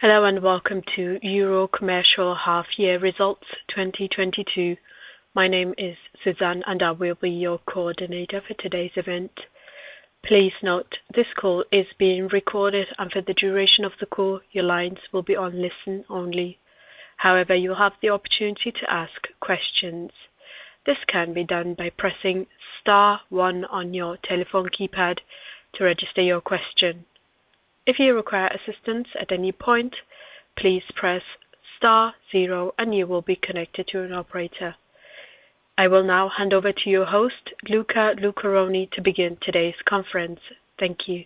Hello and welcome to Eurocommercial Half Year Results 2022. My name is Suzanne, and I will be your coordinator for today's event. Please note this call is being recorded, and for the duration of the call, your lines will be on listen only. However, you have the opportunity to ask questions. This can be done by pressing star one on your telephone keypad to register your question. If you require assistance at any point, please press star zero and you will be connected to an operator. I will now hand over to your host, Luca Lucaroni, to begin today's conference. Thank you.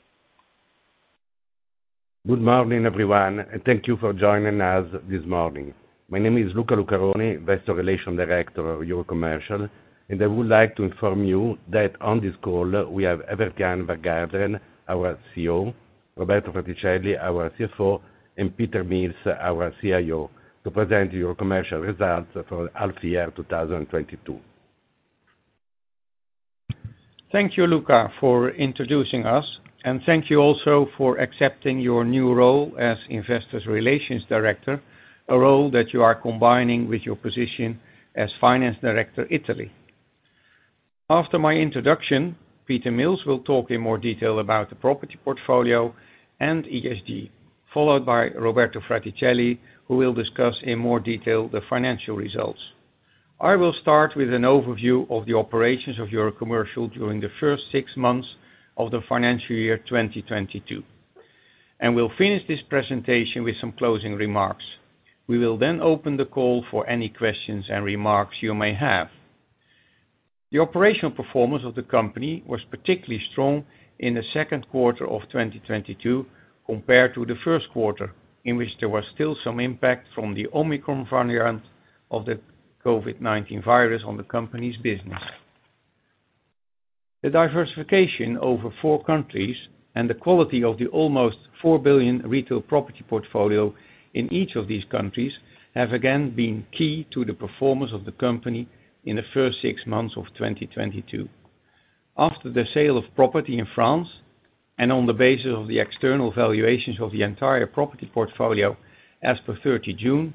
Good morning, everyone, and thank you for joining us this morning. My name is Luca Lucaroni, Investor Relations Director of Eurocommercial, and I would like to inform you that on this call we have Evert Jan van Garderen, our CEO, Roberto Fraticelli, our CFO, and Peter Mills, our CIO, to present Eurocommercial results for half year 2022. Thank you, Luca, for introducing us, and thank you also for accepting your new role as Investor Relations Director, a role that you are combining with your position as Finance Director, Italy. After my introduction, Peter Mills will talk in more detail about the property portfolio and ESG, followed by Roberto Fraticelli, who will discuss in more detail the financial results. I will start with an overview of the operations of Eurocommercial during the first six months of the financial year, 2022. We'll finish this presentation with some closing remarks. We will then open the call for any questions and remarks you may have. The operational performance of the company was particularly strong in the second quarter of 2022 compared to the first quarter in which there was still some impact from the Omicron variant of the COVID-19 virus on the company's business. The diversification over four countries and the quality of the almost 4 billion retail property portfolio in each of these countries have again been key to the performance of the company in the first six months of 2022. After the sale of property in France, and on the basis of the external valuations of the entire property portfolio as per June 30,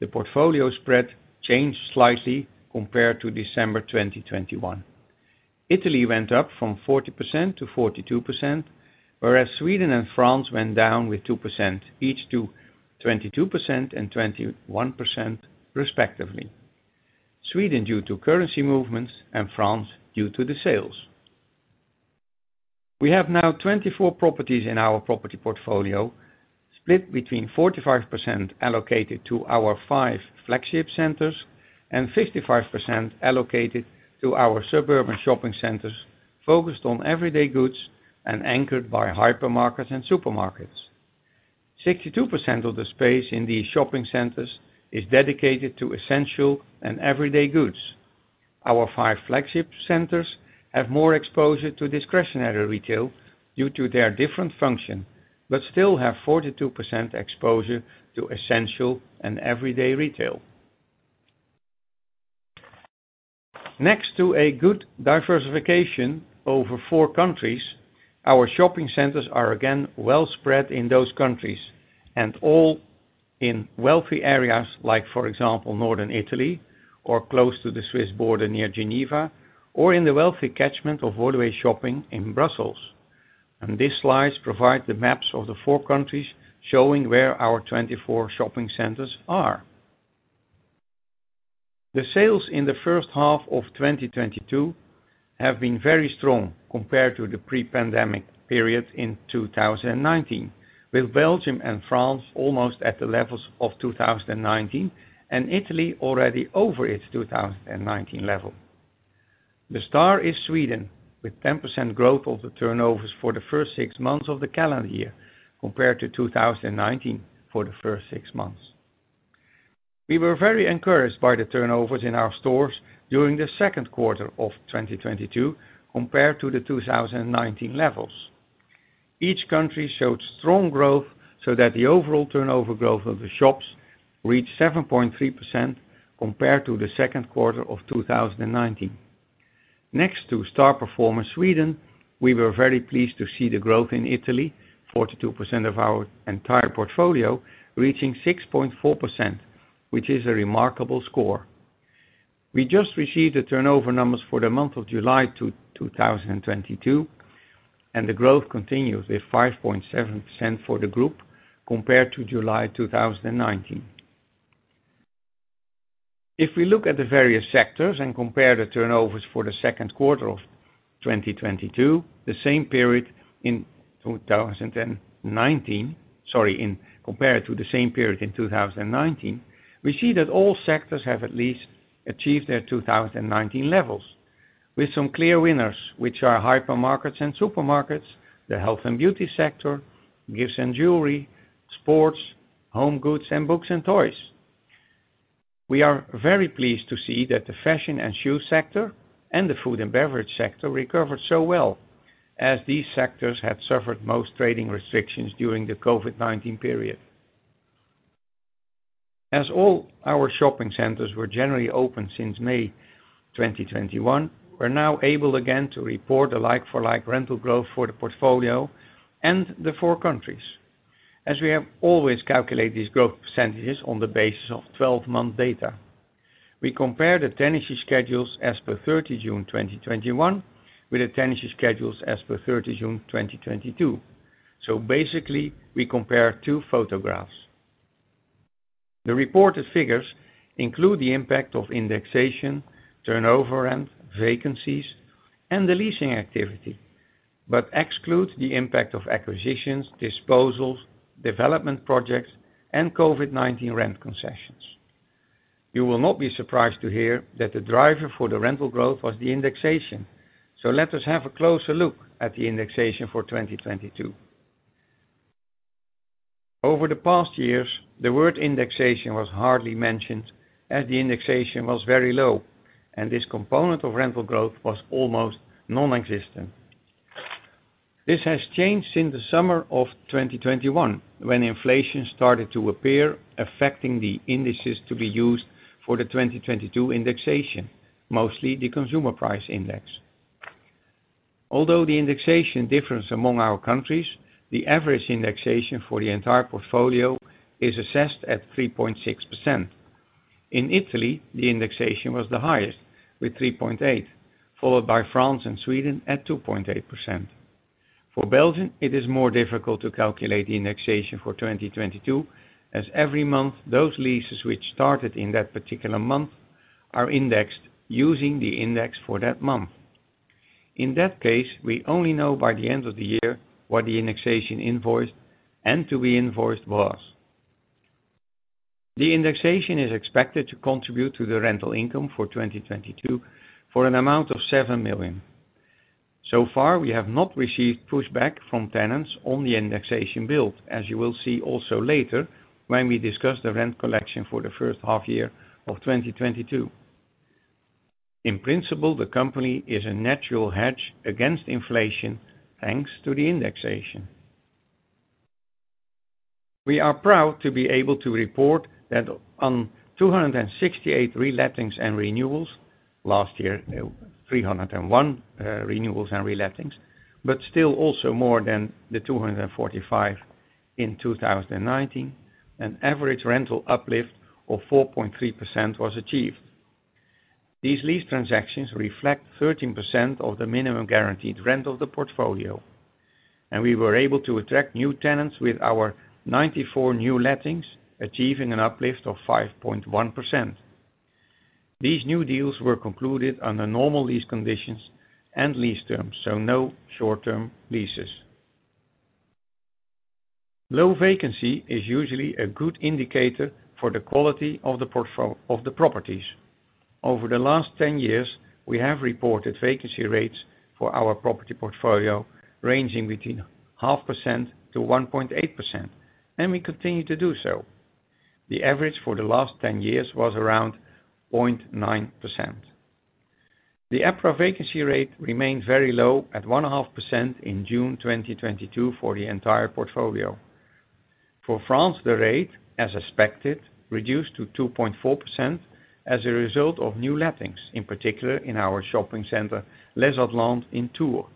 the portfolio spread changed slightly compared to December 2021. Italy went up from 40%-42%, whereas Sweden and France went down with 2% each to 22% and 21% respectively. Sweden due to currency movements and France due to the sales. We have now 24 properties in our property portfolio, split between 45% allocated to our five flagship centers and 55% allocated to our suburban shopping centers, focused on everyday goods and anchored by hypermarkets and supermarkets. 62% of the space in these shopping centers is dedicated to essential and everyday goods. Our five flagship centers have more exposure to discretionary retail due to their different function, but still have 42% exposure to essential and everyday retail. Next to a good diversification over four countries, our shopping centers are again well spread in those countries and all in wealthy areas like, for example, northern Italy or close to the Swiss border near Geneva or in the wealthy catchment of Woluwe Shopping in Brussels. These slides provide the maps of the four countries showing where our 24 shopping centers are. The sales in the first half of 2022 have been very strong compared to the pre-pandemic period in 2019, with Belgium and France almost at the levels of 2019 and Italy already over its 2019 level. The star is Sweden with 10% growth of the turnovers for the first six months of the calendar year compared to 2019 for the first six months. We were very encouraged by the turnovers in our stores during the second quarter of 2022 compared to the 2019 levels. Each country showed strong growth so that the overall turnover growth of the shops reached 7.3% compared to the second quarter of 2019. Next to star performer Sweden, we were very pleased to see the growth in Italy, 42% of our entire portfolio reaching 6.4%, which is a remarkable score. We just received the turnover numbers for the month of July 2022, and the growth continues with 5.7% for the group compared to July 2019. If we look at the various sectors and compare the turnovers for the second quarter of 2022 to the same period in 2019, we see that all sectors have at least achieved their 2019 levels with some clear winners, which are hypermarkets and supermarkets, the health and beauty sector, gifts and jewelry, sports, home goods, and books and toys. We are very pleased to see that the fashion and shoe sector and the food and beverage sector recovered so well as these sectors had suffered most trading restrictions during the COVID-19 period. As all our shopping centers were generally open since May 2021, we're now able again to report a like-for-like rental growth for the portfolio and the four countries. As we have always calculated these growth percentages on the basis of 12-month data. We compare the tenancy schedules as per 30 June 2021 with the tenancy schedules as per 30 June 2022. Basically, we compare two photographs. The reported figures include the impact of indexation, turnover rent, vacancies, and the leasing activity, but excludes the impact of acquisitions, disposals, development projects, and COVID-19 rent concessions. You will not be surprised to hear that the driver for the rental growth was the indexation. Let us have a closer look at the indexation for 2022. Over the past years, the word indexation was hardly mentioned as the indexation was very low, and this component of rental growth was almost non-existent. This has changed since the summer of 2021, when inflation started to appear, affecting the indices to be used for the 2022 indexation, mostly the consumer price index. Although the indexation difference among our countries, the average indexation for the entire portfolio is assessed at 3.6%. In Italy, the indexation was the highest with 3.8%, followed by France and Sweden at 2.8%. For Belgium, it is more difficult to calculate the indexation for 2022, as every month, those leases which started in that particular month are indexed using the index for that month. In that case, we only know by the end of the year what the indexation invoiced and to be invoiced was. The indexation is expected to contribute to the rental income for 2022 for an amount of 7 million. So far, we have not received pushback from tenants on the indexation build, as you will see also later when we discuss the rent collection for the first half year of 2022. In principle, the company is a natural hedge against inflation, thanks to the indexation. We are proud to be able to report that on 268 relettings and renewals. Last year, there were 301 renewals and relettings, but still also more than the 245 in 2019, an average rental uplift of 4.3% was achieved. These lease transactions reflect 13% of the minimum guaranteed rent of the portfolio, and we were able to attract new tenants with our 94 new lettings, achieving an uplift of 5.1%. These new deals were concluded under normal lease conditions and lease terms, so no short-term leases. Low vacancy is usually a good indicator for the quality of the portfolio of the properties. Over the last 10 years, we have reported vacancy rates for our property portfolio ranging between 0.5%-1.8%, and we continue to do so. The average for the last 10 years was around 0.9%. The EPRA vacancy rate remained very low at 1.5% in June 2022 for the entire portfolio. For France, the rate, as expected, reduced to 2.4% as a result of new lettings, in particular in our shopping center, Les Atlantes in Tours.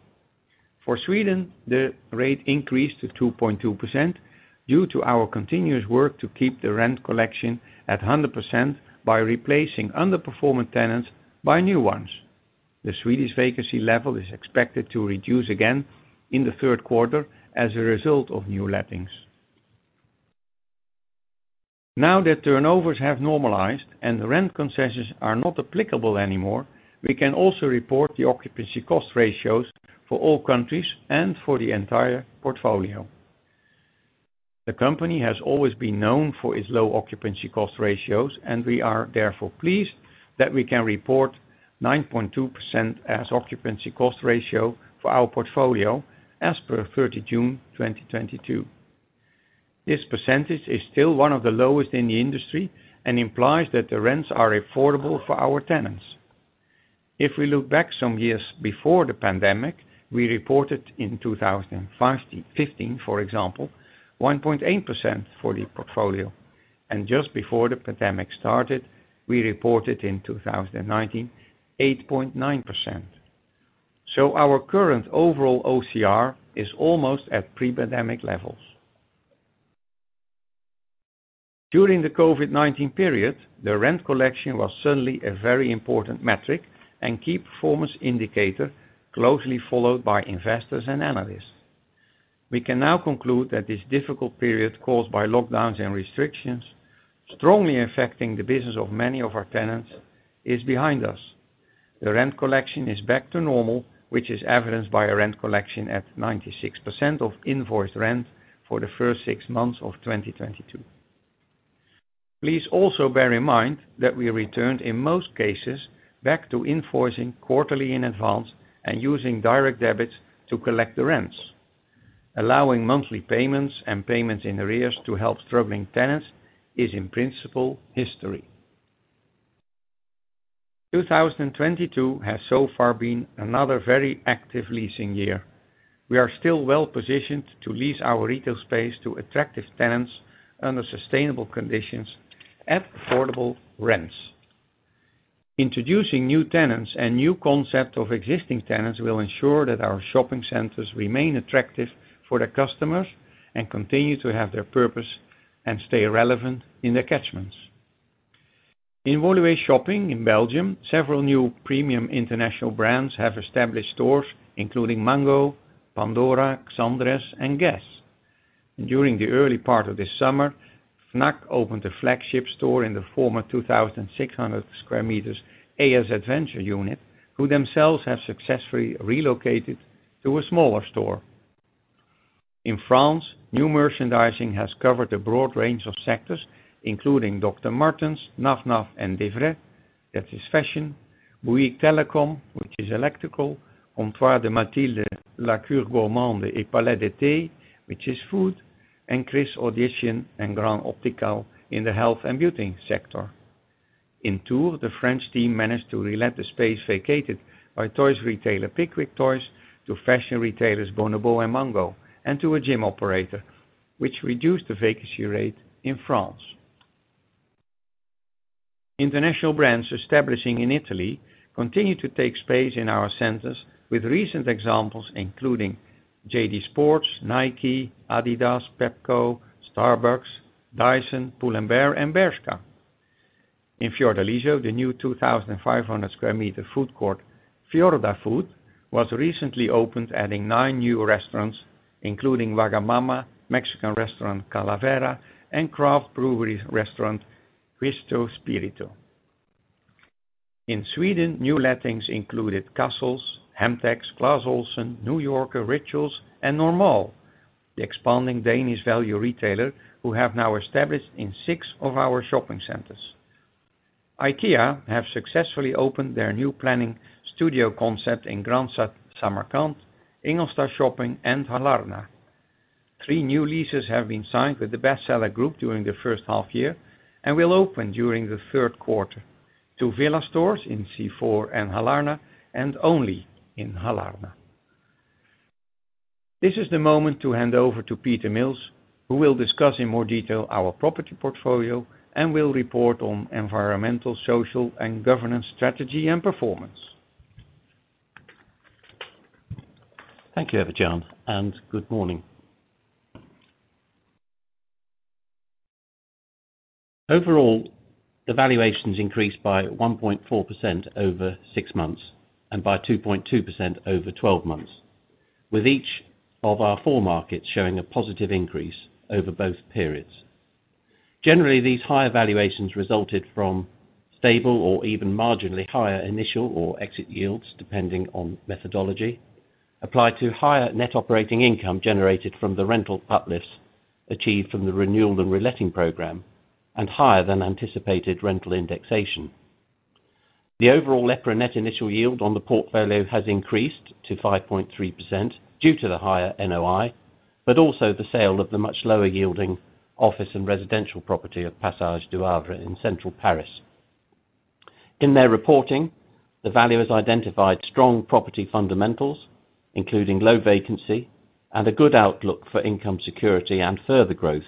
For Sweden, the rate increased to 2.2% due to our continuous work to keep the rent collection at 100% by replacing underperforming tenants by new ones. The Swedish vacancy level is expected to reduce again in the third quarter as a result of new lettings. Now that turnovers have normalized and rent concessions are not applicable anymore, we can also report the occupancy cost ratios for all countries and for the entire portfolio. The company has always been known for its low occupancy cost ratios, and we are therefore pleased that we can report 9.2% as occupancy cost ratio for our portfolio as per June 30, 2022. This percentage is still one of the lowest in the industry and implies that the rents are affordable for our tenants. If we look back some years before the pandemic, we reported in 2015, for example, 1.8% for the portfolio. Just before the pandemic started, we reported in 2019, 8.9%. Our current overall OCR is almost at pre-pandemic levels. During the COVID-19 period, the rent collection was certainly a very important metric and key performance indicator, closely followed by investors and analysts. We can now conclude that this difficult period caused by lockdowns and restrictions, strongly affecting the business of many of our tenants, is behind us. The rent collection is back to normal, which is evidenced by a rent collection at 96% of invoiced rent for the first six months of 2022. Please also bear in mind that we returned, in most cases, back to enforcing quarterly in advance and using direct debits to collect the rents. Allowing monthly payments and payments in arrears to help struggling tenants is in principle history. 2022 has so far been another very active leasing year. We are still well positioned to lease our retail space to attractive tenants under sustainable conditions at affordable rents. Introducing new tenants and new concept of existing tenants will ensure that our shopping centers remain attractive for their customers and continue to have their purpose and stay relevant in their catchments. In Woluwe Shopping in Belgium, several new premium international brands have established stores, including Mango, Pandora, Xandres, and Guess. During the early part of this summer, Fnac opened a flagship store in the former 2,600 sq m A.S. Adventure unit, who themselves have successfully relocated to a smaller store. In France, new merchandising has covered a broad range of sectors, including Dr. Martens, Naf Naf, and Devred, that is fashion. Bouygues Telecom, which is electrical. Comptoir de Mathilde, La Cure Gourmande, and Palais des Thés, which is food. Krys Audition and GrandOptical in the health and beauty sector. In Tours, the French team managed to relet the space vacated by toys retailer PicWicToys to fashion retailers Bonobo and Mango and to a gym operator, which reduced the vacancy rate in France. International brands establishing in Italy continue to take space in our centers with recent examples, including JD Sports, Nike, Adidas, Pepco, Starbucks, Dyson, Pull&Bear, and Bershka. In Fiordaliso, the new 2,500 sq m food court, Fiordafood, was recently opened, adding nine new restaurants including Wagamama, Mexican restaurant Calavera, and craft brewery restaurant Giusto Spirito. In Sweden, new lettings included Cassels, Hemtex, Clas Ohlson, New Yorker, Rituals, and Normal, the expanding Danish value retailer who have now established in six of our shopping centers. IKEA have successfully opened their new planning studio concept in Grand Samarkand, Ingelsta Shopping, and Hallarna. Three new leases have been signed with the Bestseller group during the first half year and will open during the third quarter. Two VILA stores in C4 and Hallarna and Only in Hallarna. This is the moment to hand over to Peter Mills, who will discuss in more detail our property portfolio and will report on environmental, social, and governance strategy and performance. Thank you, Evert Jan, and good morning. Overall, the valuations increased by 1.4% over six months and by 2.2% over 12 months, with each of our four markets showing a positive increase over both periods. Generally, these high valuations resulted from stable or even marginally higher initial or exit yields, depending on methodology, applied to higher net operating income generated from the rental uplifts achieved from the renewal and reletting program and higher than anticipated rental indexation. The overall EPRA net initial yield on the portfolio has increased to 5.3% due to the higher NOI, but also the sale of the much lower yielding office and residential property of Passage du Havre in central Paris. In their reporting, the valuers identified strong property fundamentals, including low vacancy and a good outlook for income security and further growth,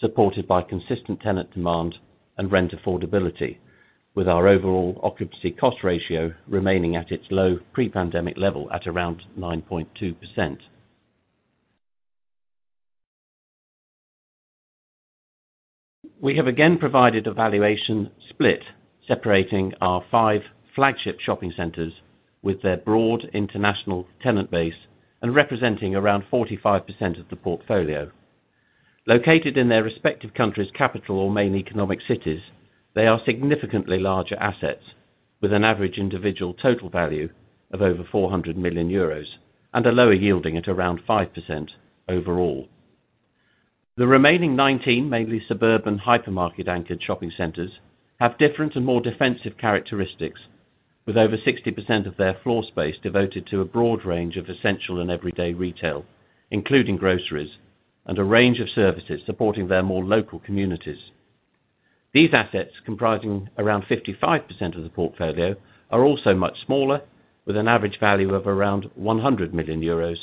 supported by consistent tenant demand and rent affordability, with our overall occupancy cost ratio remaining at its low pre-pandemic level at around 9.2%. We have again provided a valuation split, separating our five flagship shopping centers with their broad international tenant base and representing around 45% of the portfolio. Located in their respective country's capital or main economic cities, they are significantly larger assets with an average individual total value of over 400 million euros and a lower yield at around 5% overall. The remaining 19, mainly suburban hypermarket-anchored shopping centers, have different and more defensive characteristics, with over 60% of their floor space devoted to a broad range of essential and everyday retail, including groceries and a range of services supporting their more local communities. These assets, comprising around 55% of the portfolio, are also much smaller, with an average value of around 100 million euros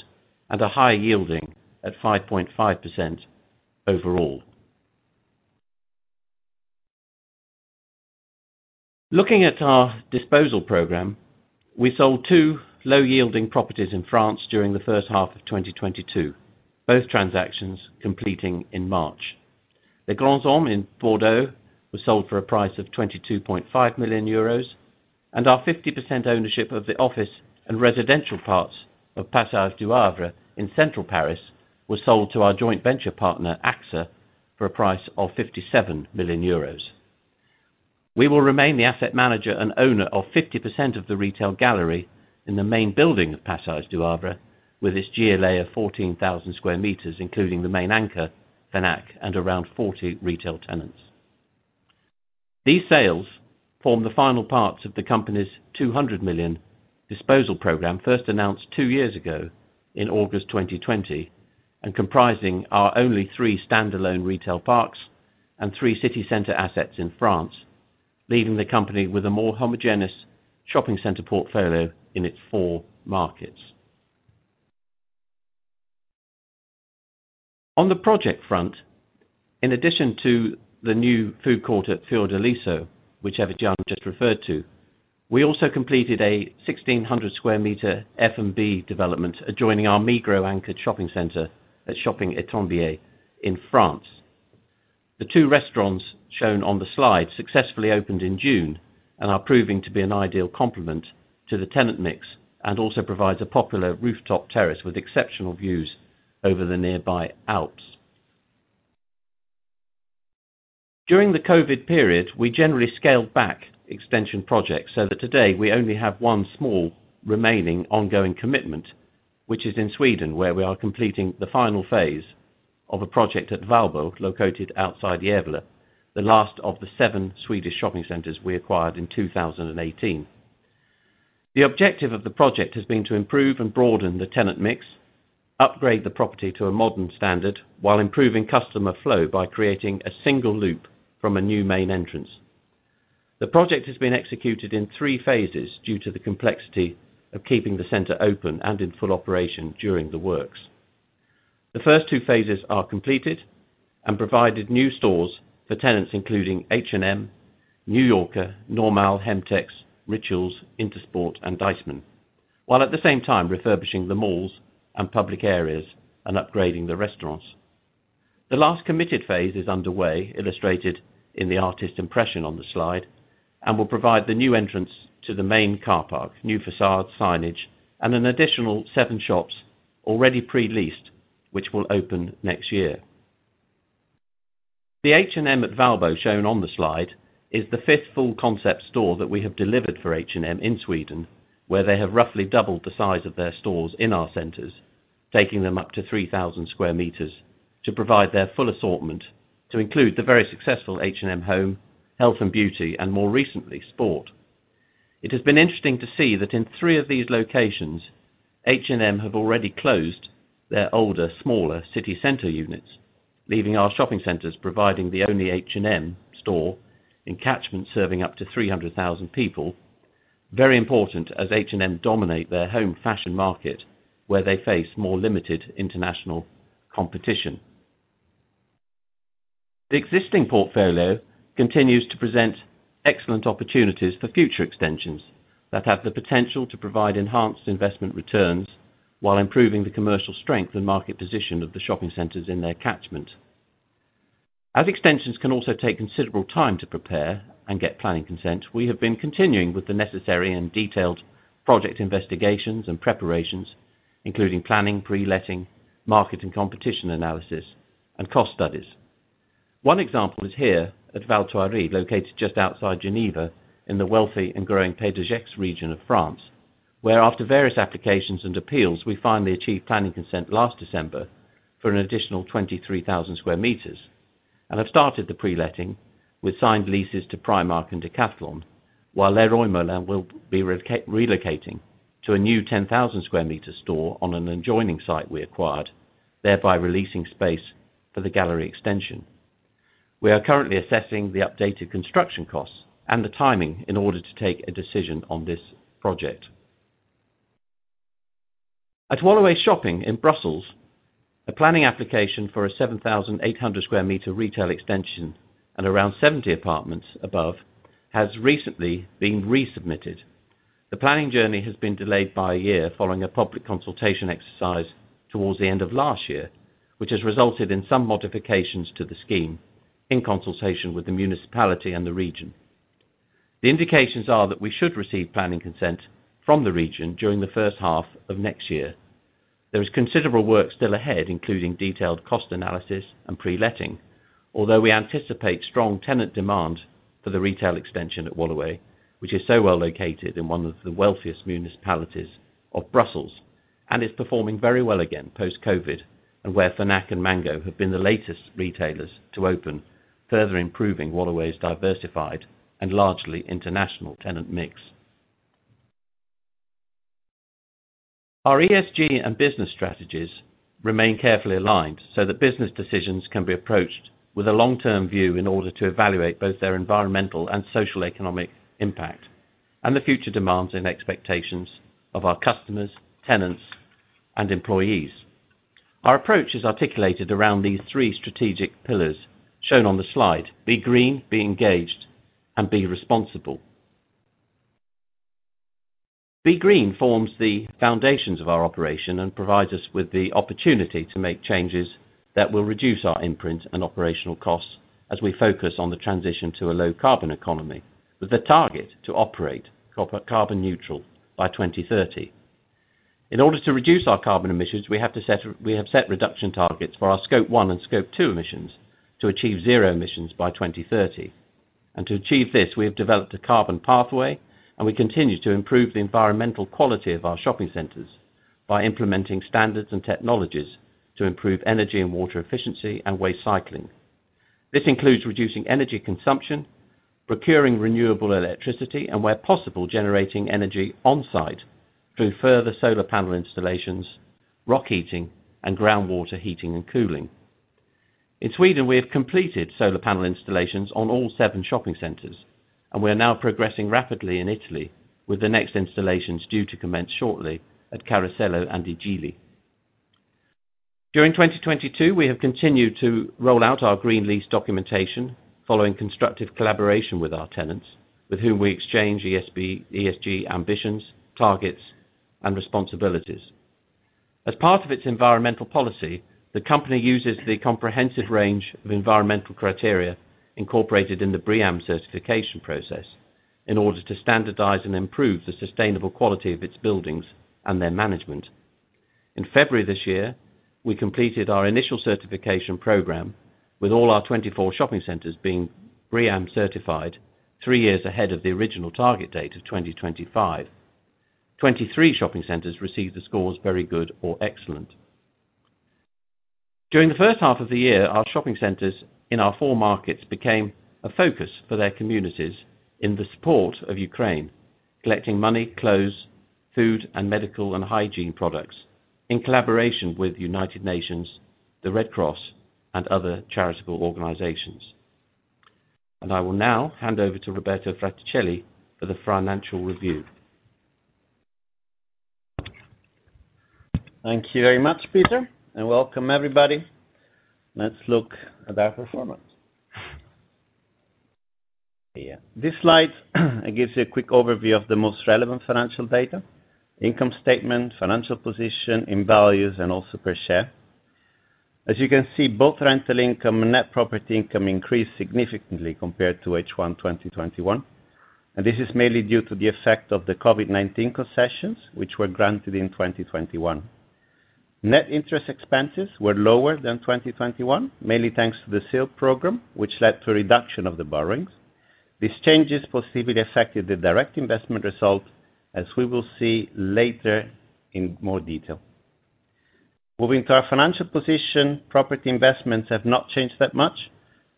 and a higher yielding at 5.5% overall. Looking at our disposal program, we sold two low-yielding properties in France during the first half of 2022, both transactions completing in March. Les Grands Hommes in Bordeaux was sold for a price of 22.5 million euros, and our 50% ownership of the office and residential parts of Passage du Havre in central Paris was sold to our joint venture partner, AXA, for a price of 57 million euros. We will remain the asset manager and owner of 50% of the retail gallery in the main building of Passage du Havre, with its GLA of 14,000 sq m, including the main anchor, Fnac, and around 40 retail tenants. These sales form the final parts of the company's 200 million disposal program, first announced two years ago in August 2020. Comprising our only three standalone retail parks and three city center assets in France, leaving the company with a more homogeneous shopping center portfolio in its four markets. On the project front, in addition to the new food court at Fiordaliso, which Evert Jan van Garderen just referred to, we also completed a 1,600 sq m F&B development adjoining our Migros anchored shopping center at Shopping Etrembières in France. The two restaurants shown on the slide successfully opened in June and are proving to be an ideal complement to the tenant mix, and also provides a popular rooftop terrace with exceptional views over the nearby Alps. During the COVID-19 period, we generally scaled back extension projects so that today we only have one small remaining ongoing commitment, which is in Sweden, where we are completing the final phase of a project at Valbo, located outside Gävle, the last of the seven Swedish shopping centers we acquired in 2018. The objective of the project has been to improve and broaden the tenant mix, upgrade the property to a modern standard while improving customer flow by creating a single loop from a new main entrance. The project has been executed in three phases due to the complexity of keeping the center open and in full operation during the works. The first two phases are completed and provided new stores for tenants including H&M, New Yorker, Normal, Hemtex, Rituals, Intersport and Deichmann, while at the same time refurbishing the malls and public areas and upgrading the restaurants. The last committed phase is underway, illustrated in the artist's impression on the slide, and will provide the new entrance to the main car park, new facade, signage and an additional seven shops already pre-leased which will open next year. The H&M at Valbo shown on the slide is the fifth full concept store that we have delivered for H&M in Sweden, where they have roughly doubled the size of their stores in our centers, taking them up to 3,000 sq m to provide their full assortment to include the very successful H&M Home, Health and Beauty and more recently, Sport. It has been interesting to see that in three of these locations, H&M have already closed their older, smaller city center units, leaving our shopping centers providing the only H&M store in catchment, serving up to 300,000 people. Very important, as H&M dominate their home fashion market where they face more limited international competition. The existing portfolio continues to present excellent opportunities for future extensions that have the potential to provide enhanced investment returns while improving the commercial strength and market position of the shopping centers in their catchment. As extensions can also take considerable time to prepare and get planning consent, we have been continuing with the necessary and detailed project investigations and preparations, including planning, pre-letting, market and competition analysis, and cost studies. One example is here at Val Thoiry, located just outside Geneva in the wealthy and growing Pays de Gex region of France, where after various applications and appeals, we finally achieved planning consent last December for an additional 23,000 square meters and have started the pre-letting with signed leases to Primark and Decathlon, while Leroy Merlin will be relocating to a new 10,000 sq m store on an adjoining site we acquired, thereby releasing space for the gallery extension. We are currently assessing the updated construction costs and the timing in order to take a decision on this project. At Woluwe Shopping in Brussels, a planning application for a 7,800 sq m retail extension and around 70 apartments above has recently been resubmitted. The planning journey has been delayed by a year following a public consultation exercise towards the end of last year, which has resulted in some modifications to the scheme in consultation with the municipality and the region. The indications are that we should receive planning consent from the region during the first half of next year. There is considerable work still ahead, including detailed cost analysis and pre-letting. Although we anticipate strong tenant demand for the retail extension at Woluwe, which is so well located in one of the wealthiest municipalities of Brussels and is performing very well again post COVID-19 and where Fnac and Mango have been the latest retailers to open, further improving Woluwe's diversified and largely international tenant mix. Our ESG and business strategies remain carefully aligned so that business decisions can be approached with a long-term view in order to evaluate both their environmental and socio-economic impact and the future demands and expectations of our customers, tenants and employees. Our approach is articulated around these three strategic pillars shown on the slide, be green, be engaged, and be responsible. Be Green forms the foundations of our operation and provides us with the opportunity to make changes that will reduce our footprint and operational costs as we focus on the transition to a low-carbon economy with the target to operate property carbon neutral by 2030. In order to reduce our carbon emissions, we have set reduction targets for our scope one and scope two emissions to achieve zero emissions by 2030. To achieve this, we have developed a carbon pathway and we continue to improve the environmental quality of our shopping centers by implementing standards and technologies to improve energy and water efficiency and waste cycling. This includes reducing energy consumption, procuring renewable electricity, and where possible, generating energy on site through further solar panel installations, rock heating, and groundwater heating and cooling. In Sweden, we have completed solar panel installations on all seven shopping centers, and we are now progressing rapidly in Italy with the next installations due to commence shortly at Carosello and I Gigli. During 2022, we have continued to roll out our green lease documentation following constructive collaboration with our tenants, with whom we exchange ESG ambitions, targets, and responsibilities. As part of its environmental policy, the company uses the comprehensive range of environmental criteria incorporated in the BREEAM certification process in order to standardize and improve the sustainable quality of its buildings and their management. In February this year, we completed our initial certification program with all our 24 shopping centers being BREEAM certified three years ahead of the original target date of 2025. 23 shopping centers received the scores very good or excellent. During the first half of the year, our shopping centers in our four markets became a focus for their communities in the support of Ukraine, collecting money, clothes, food, and medical and hygiene products in collaboration with United Nations, the Red Cross, and other charitable organizations. I will now hand over to Roberto Fraticelli for the financial review. Thank you very much, Peter, and welcome everybody. Let's look at our performance. This slide gives you a quick overview of the most relevant financial data, income statement, financial position and valuations, and also per share. As you can see, both rental income and net property income increased significantly compared to H1 2021. This is mainly due to the effect of the COVID-19 concessions, which were granted in 2021. Net interest expenses were lower than 2021, mainly thanks to the sale program, which led to a reduction of the borrowings. These changes positively affected the direct investment result, as we will see later in more detail. Moving to our financial position, property investments have not changed that much,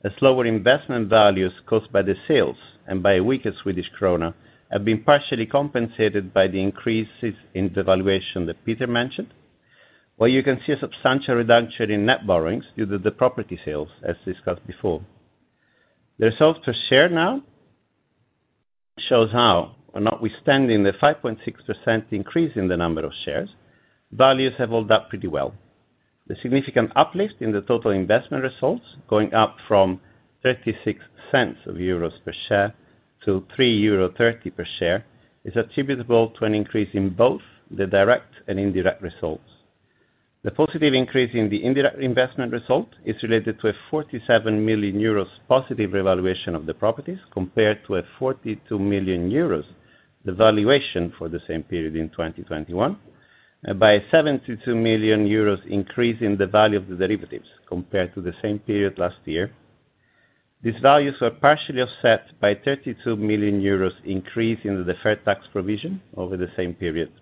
as slower investment values caused by the sales and by a weaker Swedish krona have been partially compensated by the increases in the valuation that Peter mentioned. While you can see a substantial reduction in net borrowings due to the property sales as discussed before. The results per share now shows how, notwithstanding the 5.6% increase in the number of shares, values have held up pretty well. The significant uplift in the total investment results going up from 0.36 per share to EUUR 3.30 per share is attributable to an increase in both the direct and indirect results. The positive increase in the indirect investment result is related to a 47 million euros positive revaluation of the properties compared to a 42 million euros devaluation for the same period in 2021, by a 72 million euros increase in the value of the derivatives compared to the same period last year. These values were partially offset by a 32 million euros increase in the deferred tax provision over the same period.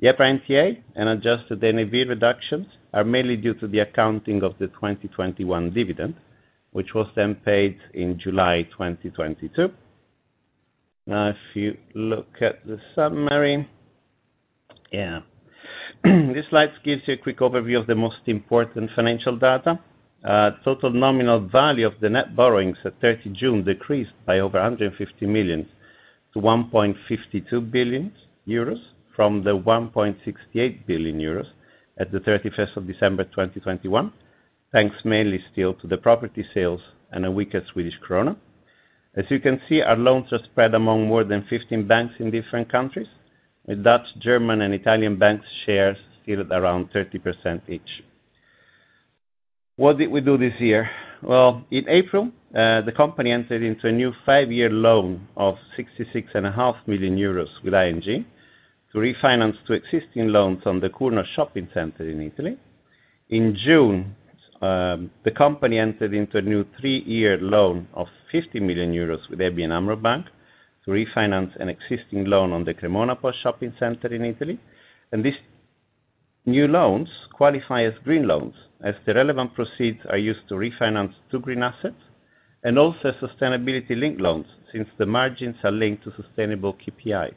The NTA and adjusted NAV reductions are mainly due to the accounting of the 2021 dividend, which was then paid in July 2022. Now, if you look at the summary. Yeah. This slide gives you a quick overview of the most important financial data. Total nominal value of the net borrowings at 30 June decreased by over 150 million to 1.52 billion euros from 1.68 billion euros at the 31st of December 2021. Thanks mainly still to the property sales and a weaker Swedish krona. As you can see, our loans are spread among more than 15 banks in different countries, with Dutch, German, and Italian banks shares still at around 30% each. What did we do this year? Well, in April, the company entered into a new five-year loan of 66.5 million euros with ING to refinance two existing loans on the Curno Shopping Center in Italy. In June, the company entered into a new three-year loan of 50 million euros with ABN AMRO Bank to refinance an existing loan on the Cremona Shopping Center in Italy. These new loans qualify as green loans as the relevant proceeds are used to refinance two green assets and also sustainability-linked loans since the margins are linked to sustainable KPIs.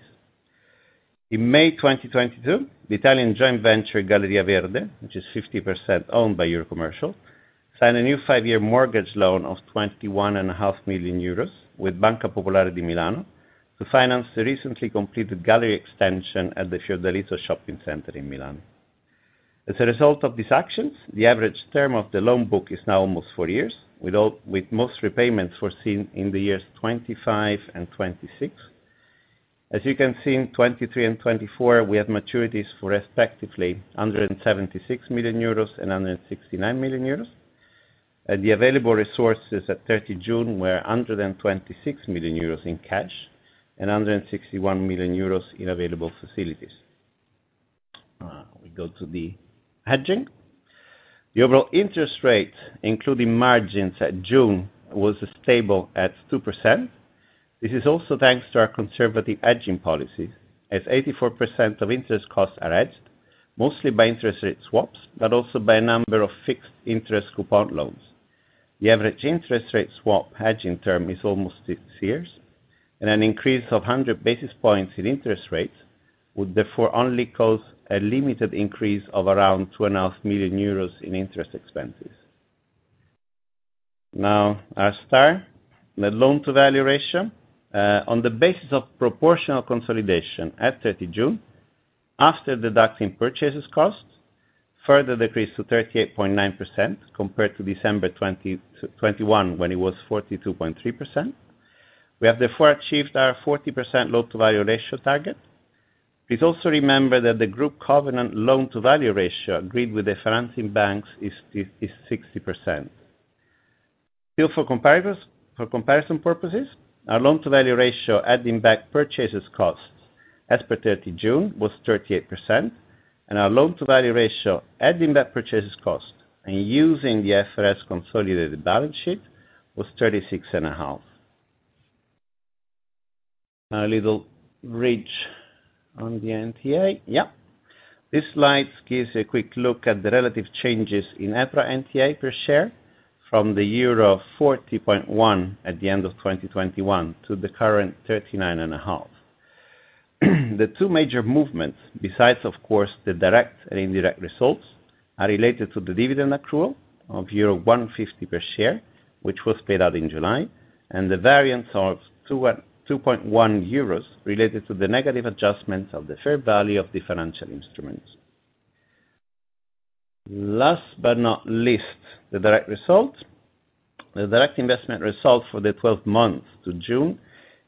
In May 2022, the Italian joint venture Galleria Verde, which is 50% owned by Eurocommercial, signed a new five-year mortgage loan of 21.5 million euros with Banca Popolare di Milano to finance the recently completed gallery extension at the Fiordaliso Shopping Center in Milan. As a result of these actions, the average term of the loan book is now almost four years with most repayments foreseen in the years 2025 and 2026. As you can see, in 2023 and 2024, we have maturities for respectively 176 million euros and 169 million euros. The available resources at 30 June were 126 million euros in cash and 161 million euros in available facilities. We go to the hedging. The overall interest rate, including margins at June, was stable at 2%. This is also thanks to our conservative hedging policies, as 84% of interest costs are hedged, mostly by interest rate swaps, but also by a number of fixed interest coupon loans. The average interest rate swap hedging term is almost six years, and an increase of 100 basis points in interest rates would therefore only cause a limited increase of around 2.5 million euros in interest expenses. Now, I'll start the loan to value ratio on the basis of proportional consolidation at June 30, after deducting purchase costs, further decreased to 38.9% compared to December 2021, when it was 42.3%. We have therefore achieved our 40% loan to value ratio target. Please also remember that the group covenant loan to value ratio agreed with the financing banks is 60%. Still for comparators, for comparison purposes, our loan to value ratio adding back purchase costs as per June 30 was 38%, and our loan to value ratio adding back purchase costs and using the IFRS consolidated balance sheet was 36.5. Now, a little bridge on the NTA. This slide gives a quick look at the relative changes in EPRA NTA per share from 40.1 at the end of 2021 to the current 39.5. The two major movements, besides of course the direct and indirect results, are related to the dividend accrual of euro 1.50 per share, which was paid out in July, and the variance of 2.1 euros related to the negative adjustments of the fair value of the financial instruments. Last but not least, the direct result. The direct investment result for the 12 months to June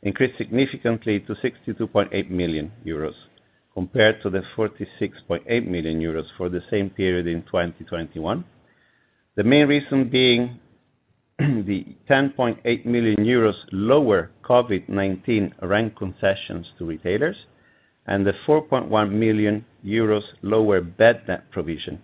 increased significantly to 62.8 million euros, compared to 46.8 million euros for the same period in 2021. The main reason being the 10.8 million euros lower COVID-19 rent concessions to retailers, and the 4.1 million euros lower bad debt provision.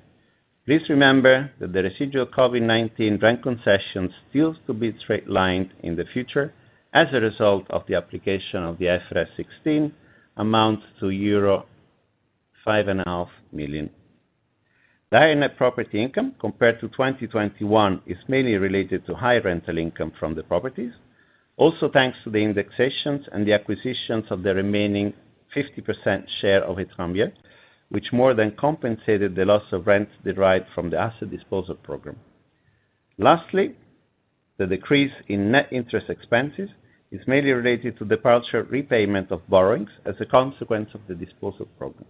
Please remember that the residual COVID-19 rent concessions still to be straight lined in the future as a result of the application of the IFRS 16 amounts to euro 5.5 million. The net property income compared to 2021 is mainly related to high rental income from the properties. Also, thanks to the indexations and the acquisitions of the remaining 50% share of Etrembières, which more than compensated the loss of rents derived from the asset disposal program. Lastly, the decrease in net interest expenses is mainly related to the partial repayment of borrowings as a consequence of the disposal program.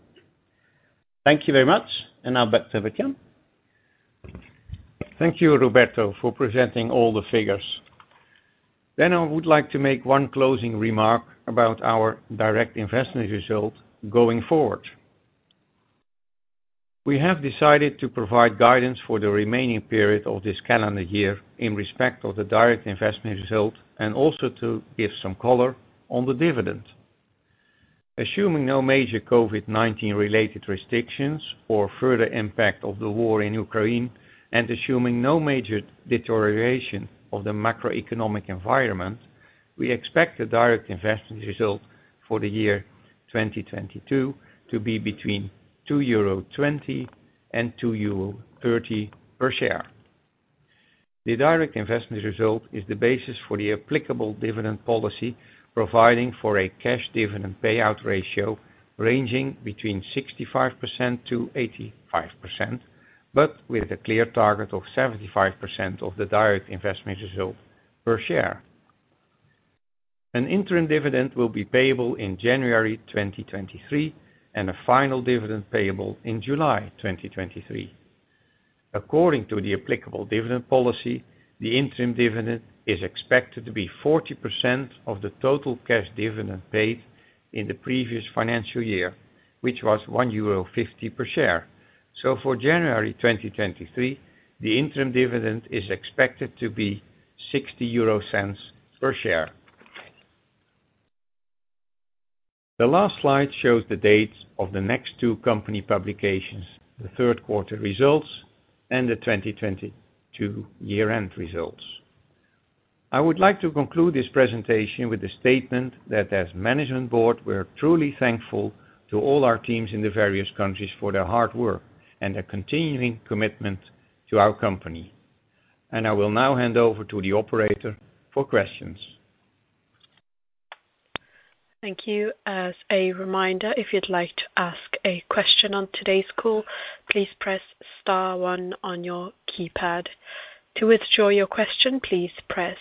Thank you very much. Now back to Evert Jan van Garderen. Thank you, Roberto, for presenting all the figures. I would like to make one closing remark about our direct investment result going forward. We have decided to provide guidance for the remaining period of this calendar year in respect of the direct investment result and also to give some color on the dividend. Assuming no major COVID-19 related restrictions or further impact of the war in Ukraine and assuming no major deterioration of the macroeconomic environment, we expect the direct investment result for the year 2022 to be between 2.20 euro and 2.30 euro per share. The direct investment result is the basis for the applicable dividend policy, providing for a cash dividend payout ratio ranging between 65% -85%, but with a clear target of 75% of the direct investment result per share. An interim dividend will be payable in January 2023, and a final dividend payable in July 2023. According to the applicable dividend policy, the interim dividend is expected to be 40% of the total cash dividend paid in the previous financial year, which was €1.50 per share. For January 2023, the interim dividend is expected to be €0.60 per share. The last slide shows the dates of the next two company publications, the third quarter results and the 2022 year-end results. I would like to conclude this presentation with the statement that as management board, we are truly thankful to all our teams in the various countries for their hard work and their continuing commitment to our company. I will now hand over to the operator for questions. Thank you. As a reminder, if you'd like to ask a question on today's call, please press star one on your keypad. To withdraw your question, please press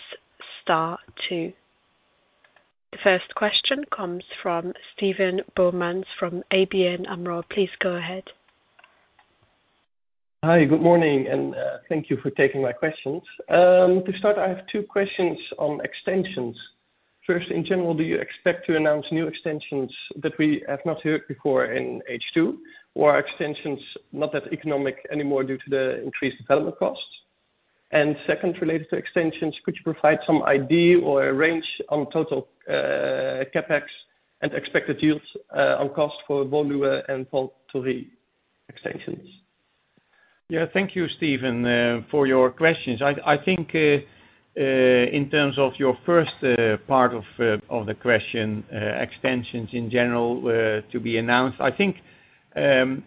star two. The first question comes from Steven Boumans from ABN AMRO. Please go ahead. Hi, good morning, and thank you for taking my questions. To start, I have two questions on extensions. First, in general, do you expect to announce new extensions that we have not heard before in H2, or are extensions not that economic anymore due to the increased development costs? Second, related to extensions, could you provide some idea or a range on total CapEx and expected yields on cost for Woluwe and Val Thoiry extensions? Yeah, thank you, Steven, for your questions. I think in terms of your first part of the question, extensions in general to be announced. I think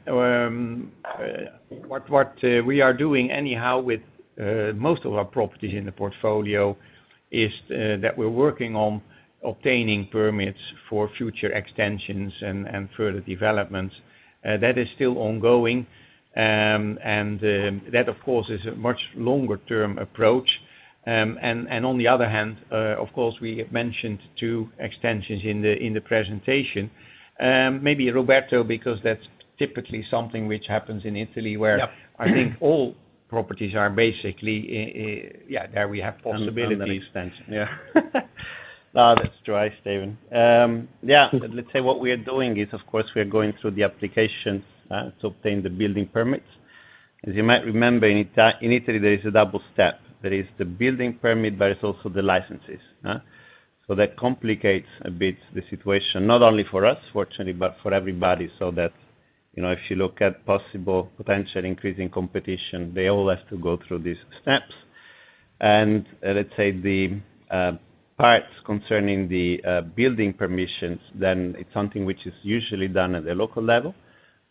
what we are doing anyhow with most of our properties in the portfolio is that we're working on obtaining permits for future extensions and further developments. That is still ongoing. That, of course, is a much longer-term approach. On the other hand, of course, we mentioned two extensions in the presentation. Maybe Roberto, because that's typically something which happens in Italy where Yeah. I think all properties are basically. Yeah, there we have possibility. On the extension. Yeah. No, that's right, Steven. Let's say what we are doing is, of course, we are going through the applications to obtain the building permits. As you might remember, in Italy, there is a double step. There is the building permit, but it's also the licenses. So that complicates a bit the situation, not only for us, fortunately, but for everybody. So that, you know, if you look at possible potential increase in competition, they all have to go through these steps. Let's say the parts concerning the building permissions, then it's something which is usually done at a local level,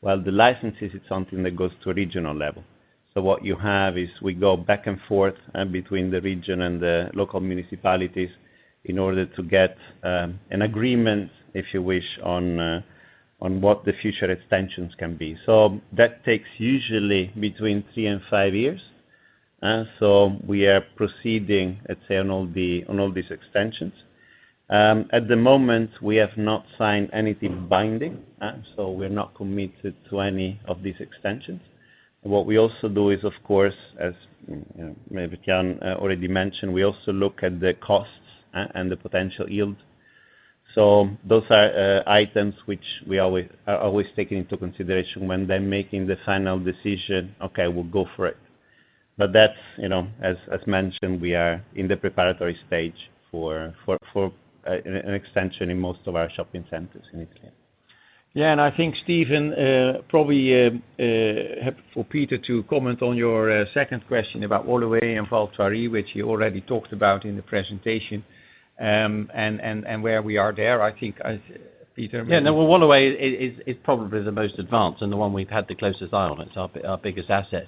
while the licenses is something that goes to regional level. What you have is we go back and forth between the region and the local municipalities in order to get an agreement, if you wish, on what the future extensions can be. That takes usually between three and five years. We are proceeding, let's say, on all these extensions. At the moment, we have not signed anything binding. We're not committed to any of these extensions. What we also do is, of course, as you know, maybe Evert Jan van Garderen already mentioned, we also look at the costs and the potential yield. Those are items which we always take into consideration when making the final decision, okay, we'll go for it. That's, you know, as mentioned, we are in the preparatory stage for an extension in most of our shopping centers in Italy. Yeah. I think, Steven, probably helpful for Peter to comment on your second question about Woluwe and Val Thoiry, which he already talked about in the presentation, and where we are there. I think as Peter may. Well, Woluwe is probably the most advanced and the one we've had the closest eye on. It's our biggest asset.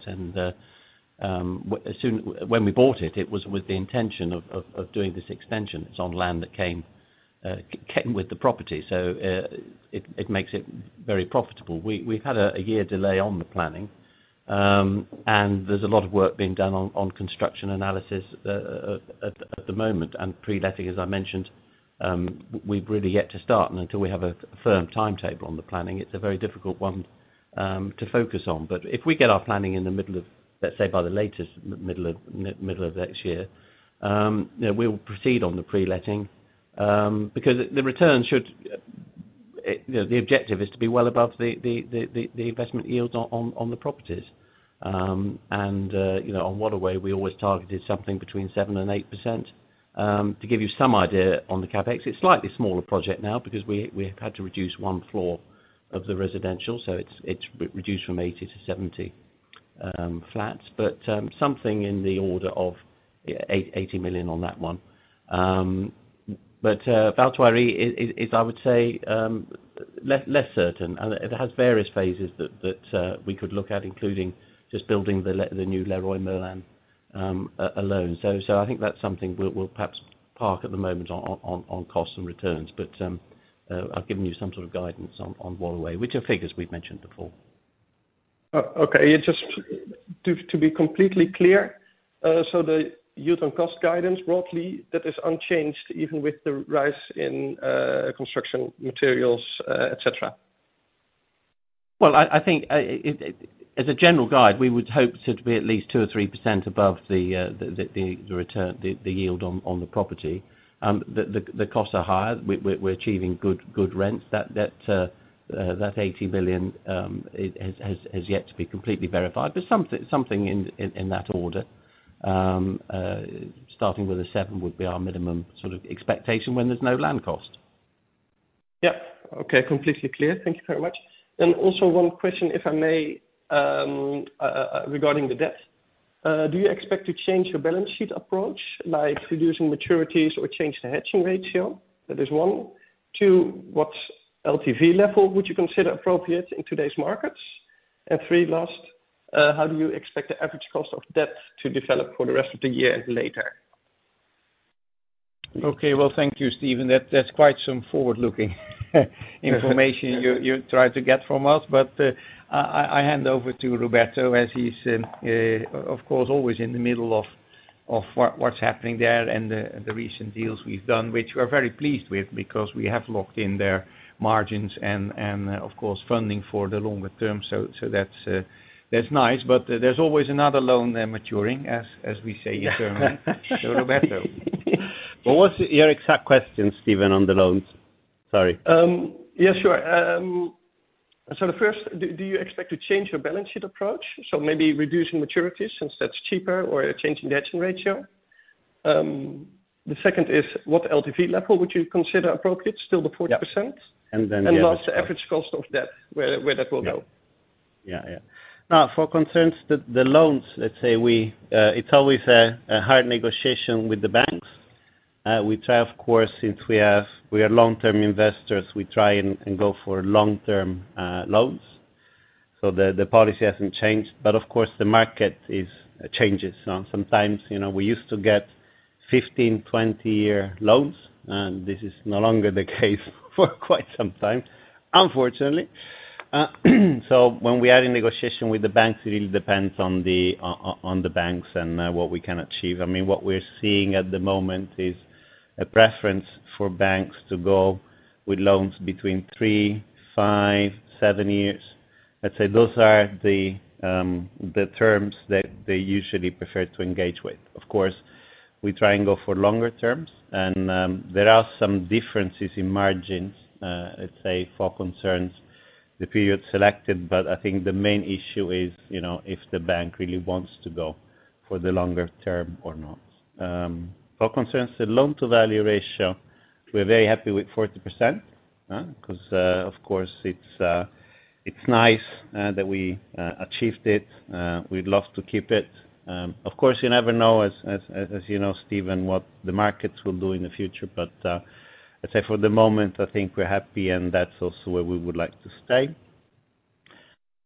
When we bought it was with the intention of doing this extension. It's on land that came with the property. It makes it very profitable. We've had a year delay on the planning. There's a lot of work being done on construction analysis at the moment. Pre-letting, as I mentioned, we've really yet to start. Until we have a firm timetable on the planning, it's a very difficult one to focus on. If we get our planning in the middle of, let's say, by the latest middle of next year, you know, we'll proceed on the pre-letting. Because the return should, you know, the objective is to be well above the investment yields on the properties. You know, on Waterway, we always targeted something between 7%-8%. To give you some idea on the CapEx, it's a slightly smaller project now because we have had to reduce one floor of the residential, so it's reduced from 80-70 fls, but something in the order of 80 million on that one. Val Thoiry is, I would say, less certain. It has various phases that we could look at, including just building the new Leroy Merlin alone. I think that's something we'll perhaps park at the moment on costs and returns. I've given you some sort of guidance on Waterway, which are figures we've mentioned before. Okay. Just to be completely clear, the yield and cost guidance broadly, that is unchanged even with the rise in construction materials, etc.? I think, as a general guide, we would hope to be at least 2%-3% above the return, the yield on the property. The costs are higher. We're achieving good rents. That 80 million, it has yet to be completely verified, but something in that order. Starting with 7% would be our minimum sort of expectation when there's no land cost. Yeah. Okay. Completely clear. Thank you very much. Also one question, if I may, regarding the debt. Do you expect to change your balance sheet approach by producing maturities or change the hedging ratio? That is one. Two, what LTV level would you consider appropriate in today's markets? Three, last, how do you expect the average cost of debt to develop for the rest of the year and later? Okay. Well, thank you, Steven. That's quite some forward-looking information you try to get from us. I hand over to Roberto as he's of course always in the middle of what's happening there and the recent deals we've done, which we're very pleased with because we have locked in their margins and of course funding for the longer term. That's nice. There's always another loan there maturing, as we say internally. Roberto. What was your exact question, Steven, on the loans? Sorry. The first, do you expect to change your balance sheet approach? Maybe reducing maturities since that's cheaper or changing the hedging rati The second is, what LTV level would you consider appropriate? Still the 40%? Yeah. Last, the average cost of debt, where that will go. Yeah, yeah. Now, regarding the loans, let's say, it's always a hard negotiation with the banks. We try, of course, since we are long-term investors, we try and go for long-term loans. The policy hasn't changed. Of course, the market is changing. Sometimes, you know, we used to get 15-, 20-year loans, and this is no longer the case for quite some time, unfortunately. When we are in negotiation with the banks, it really depends on the banks and what we can achieve. I mean, what we're seeing at the moment is a preference for banks to go with loans between three, five, seven years. Let's say, those are the terms that they usually prefer to engage with. Of course, we try and go for longer terms, and there are some differences in margins, let's say, regarding the period selected, but I think the main issue is, you know, if the bank really wants to go for the longer term or not. Regarding the loan-to-value ratio, we're very happy with 40%, 'cause of course, it's nice that we achieved it. We'd love to keep it. Of course, you never know, as you know, Steven, what the markets will do in the future. I'd say for the moment, I think we're happy and that's also where we would like to stay.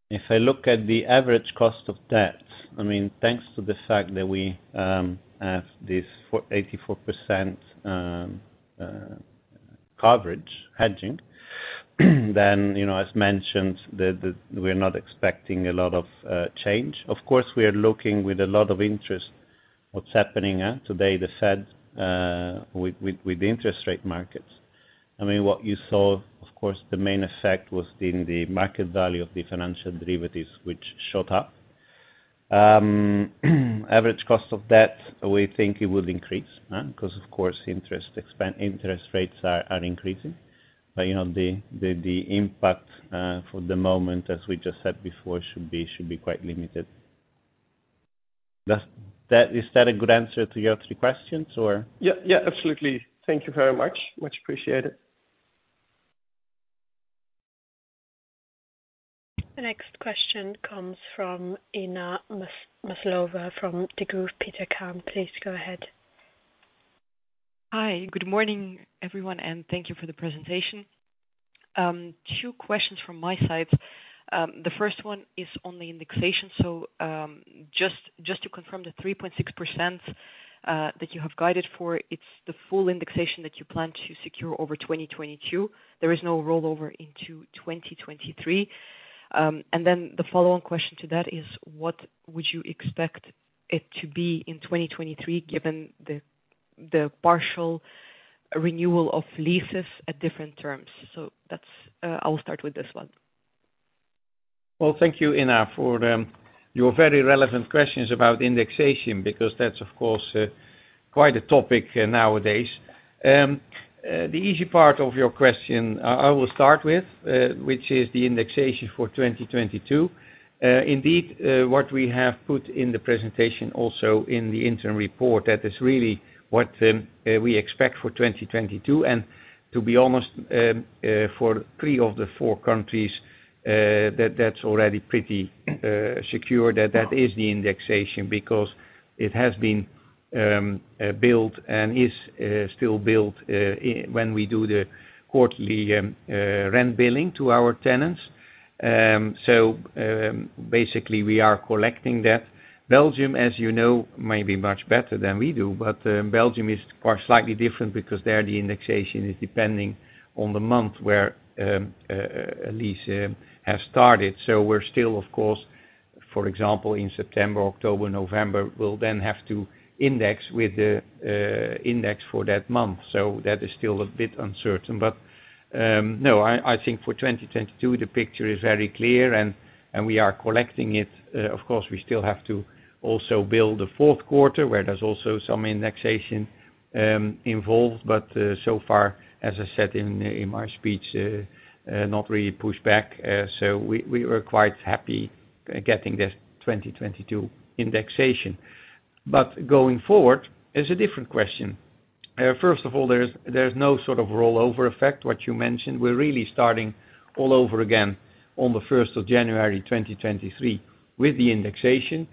If I look at the average cost of debt, I mean, thanks to the fact that we have this 84% coverage hedging, then, you know, as mentioned, we're not expecting a lot of change. Of course, we are looking with a lot of interest what's happening today, the Fed, with the interest rate markets. I mean, what you saw, of course, the main effect was in the market value of the financial derivatives which shot up. Average cost of debt, we think it would increase 'cause of course, interest rates are increasing. You know, the impact, for the moment, as we just said before, should be quite limited. Is that a good answer to your three questions or? Yeah, yeah. Absolutely. Thank you very much. Much appreciated. The next question comes from Inna Maslova from Degroof Petercam. Please go ahead. Hi, good morning, everyone, and thank you for the presentation. Two questions from my side. The first one is on the indexation. Just to confirm the 3.6% that you have guided for, it's the full indexation that you plan to secure over 2022? There is no rollover into 2023. Then the follow-on question to that is, what would you expect it to be in 2023 given the partial renewal of leases at different terms? That's, I'll start with this one. Well, thank you, Inna, for your very relevant questions about indexation, because that's, of course, quite a topic nowadays. The easy part of your question I will start with, which is the indexation for 2022. Indeed, what we have put in the presentation also in the interim report, that is really what we expect for 2022. To be honest, for three of the four countries, that's already pretty secure. That is the indexation because it has been built and is still built when we do the quarterly rent billing to our tenants. Basically we are collecting that. Belgium, as you know, may be much better than we do, but Belgium is slightly different because there the indexation is depending on the month where a lease has started. We're still of course, for example, in September, October, November, we'll then have to index with the index for that month. That is still a bit uncertain. No, I think for 2022 the picture is very clear and we are collecting it. Of course, we still have to also bill a fourth quarter where there's also some indexation involved. So far, as I said in my speech, not really pushed back. We were quite happy getting this 2022 indexation. Going forward is a different question. First of all, there's no sort of rollover effect, what you mentioned. We're really starting all over again on the first of January 2023 with the indexation.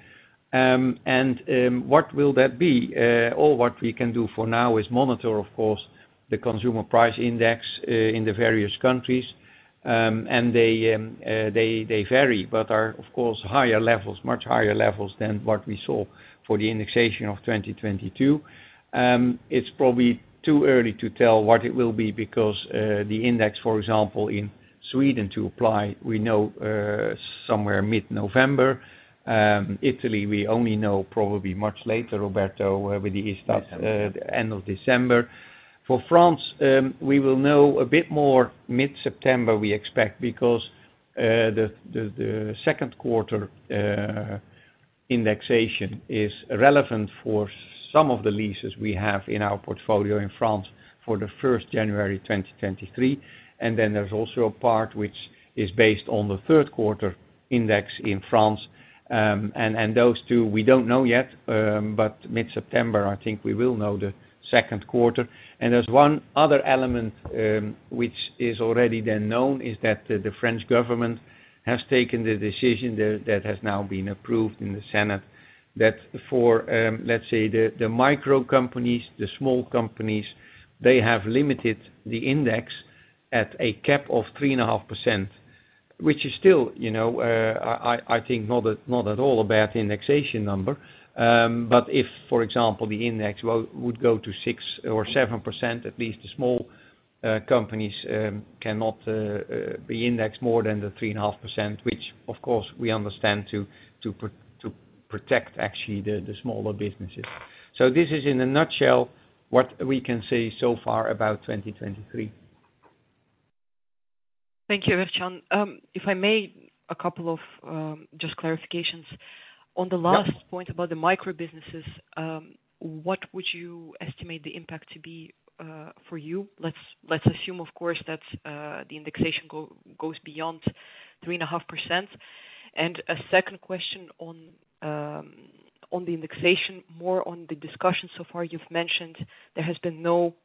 What will that be? All what we can do for now is monitor, of course, the consumer price index in the various countries. They vary, but are of course higher levels, much higher levels than what we saw for the indexation of 2022. It's probably too early to tell what it will be because the index, for example, in Sweden to apply, we know somewhere mid-November. Italy, we only know probably much later, Roberto, with the Istat end of December. For France, we will know a bit more mid-September, we expect, because The second quarter indexation is relevant for some of the leases we have in our portfolio in France for January 1, 2023. There's also a part which is based on the third quarter index in France. Those two, we don't know yet, but mid-September, I think we will know the second quarter. There's one other element which is already then known, is that the French government has taken the decision that has now been approved in the Senate. That for, let's say the micro companies, the small companies, they have limited the index at a cap of 3.5%, which is still, you know, I think not at all a bad indexation number. If, for example, the index would go to 6% or 7%, at least the small companies cannot be indexed more than the 3.5%, which of course we understand to protect actually the smaller businesses. This is in a nutshell what we can say so far about 2023. Thank you, Evert Jan van Garderen. If I may, a couple of, just clarifications. Yeah. On the last point about the micro businesses, what would you estimate the impact to be, for you? Let's assume, of course, that the indexation goes beyond 3.5%. A second question on the indexation, more on the discussion so far, you've mentioned there has been no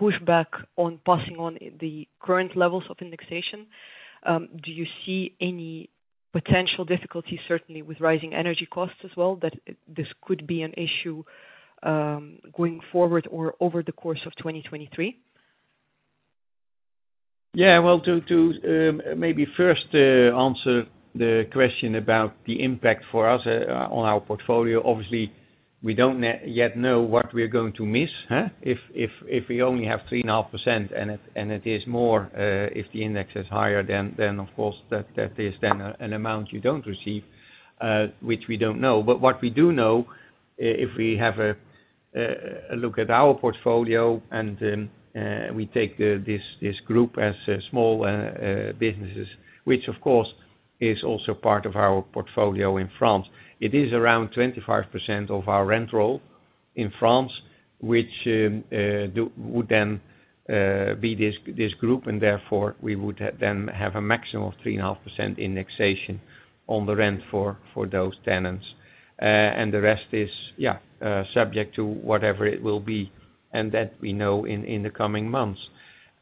pushback on passing on the current levels of indexation. Do you see any potential difficulty, certainly with rising energy costs as well, that this could be an issue, going forward or over the course of 2023? Well, maybe first answer the question about the impact for us on our portfolio. Obviously, we don't yet know what we are going to miss if we only have 3.5%, and it is more if the index is higher than of course that is then an amount you don't receive which we don't know. What we do know if we have a look at our portfolio and we take this group as small businesses which of course is also part of our portfolio in France. It is around 25% of our rent roll in France, which would then be this group, and therefore we would then have a maximum of 3.5% indexation on the rent for those tenants. The rest is subject to whatever it will be, and that we know in the coming months.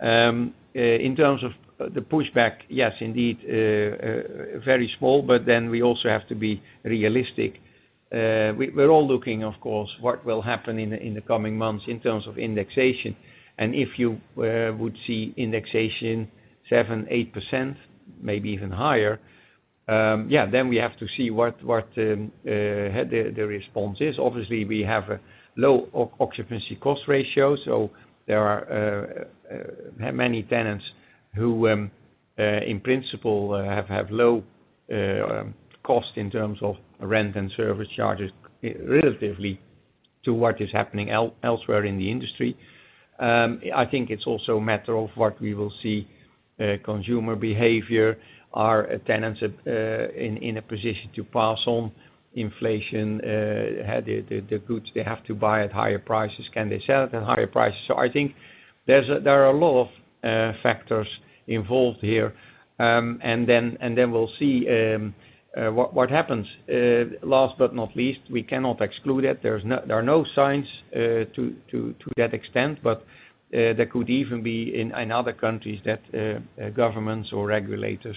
In terms of the pushback, yes, indeed, very small, but then we also have to be realistic. We're all looking of course what will happen in the coming months in terms of indexation. If you would see indexation 7%-8%, maybe even higher. We have to see what the response is. Obviously we have a low occupancy cost ratio, so there are many tenants who in principle have low costs in terms of rent and service charges relative to what is happening elsewhere in the industry. I think it's also a matter of what we will see, consumer behavior, are tenants in a position to pass on inflation, the goods they have to buy at higher prices, can they sell it at higher prices? I think there are a lot of factors involved here. Then we'll see what happens. Last but not least, we cannot exclude it. There are no signs to that extent, but there could even be in other countries that governments or regulators,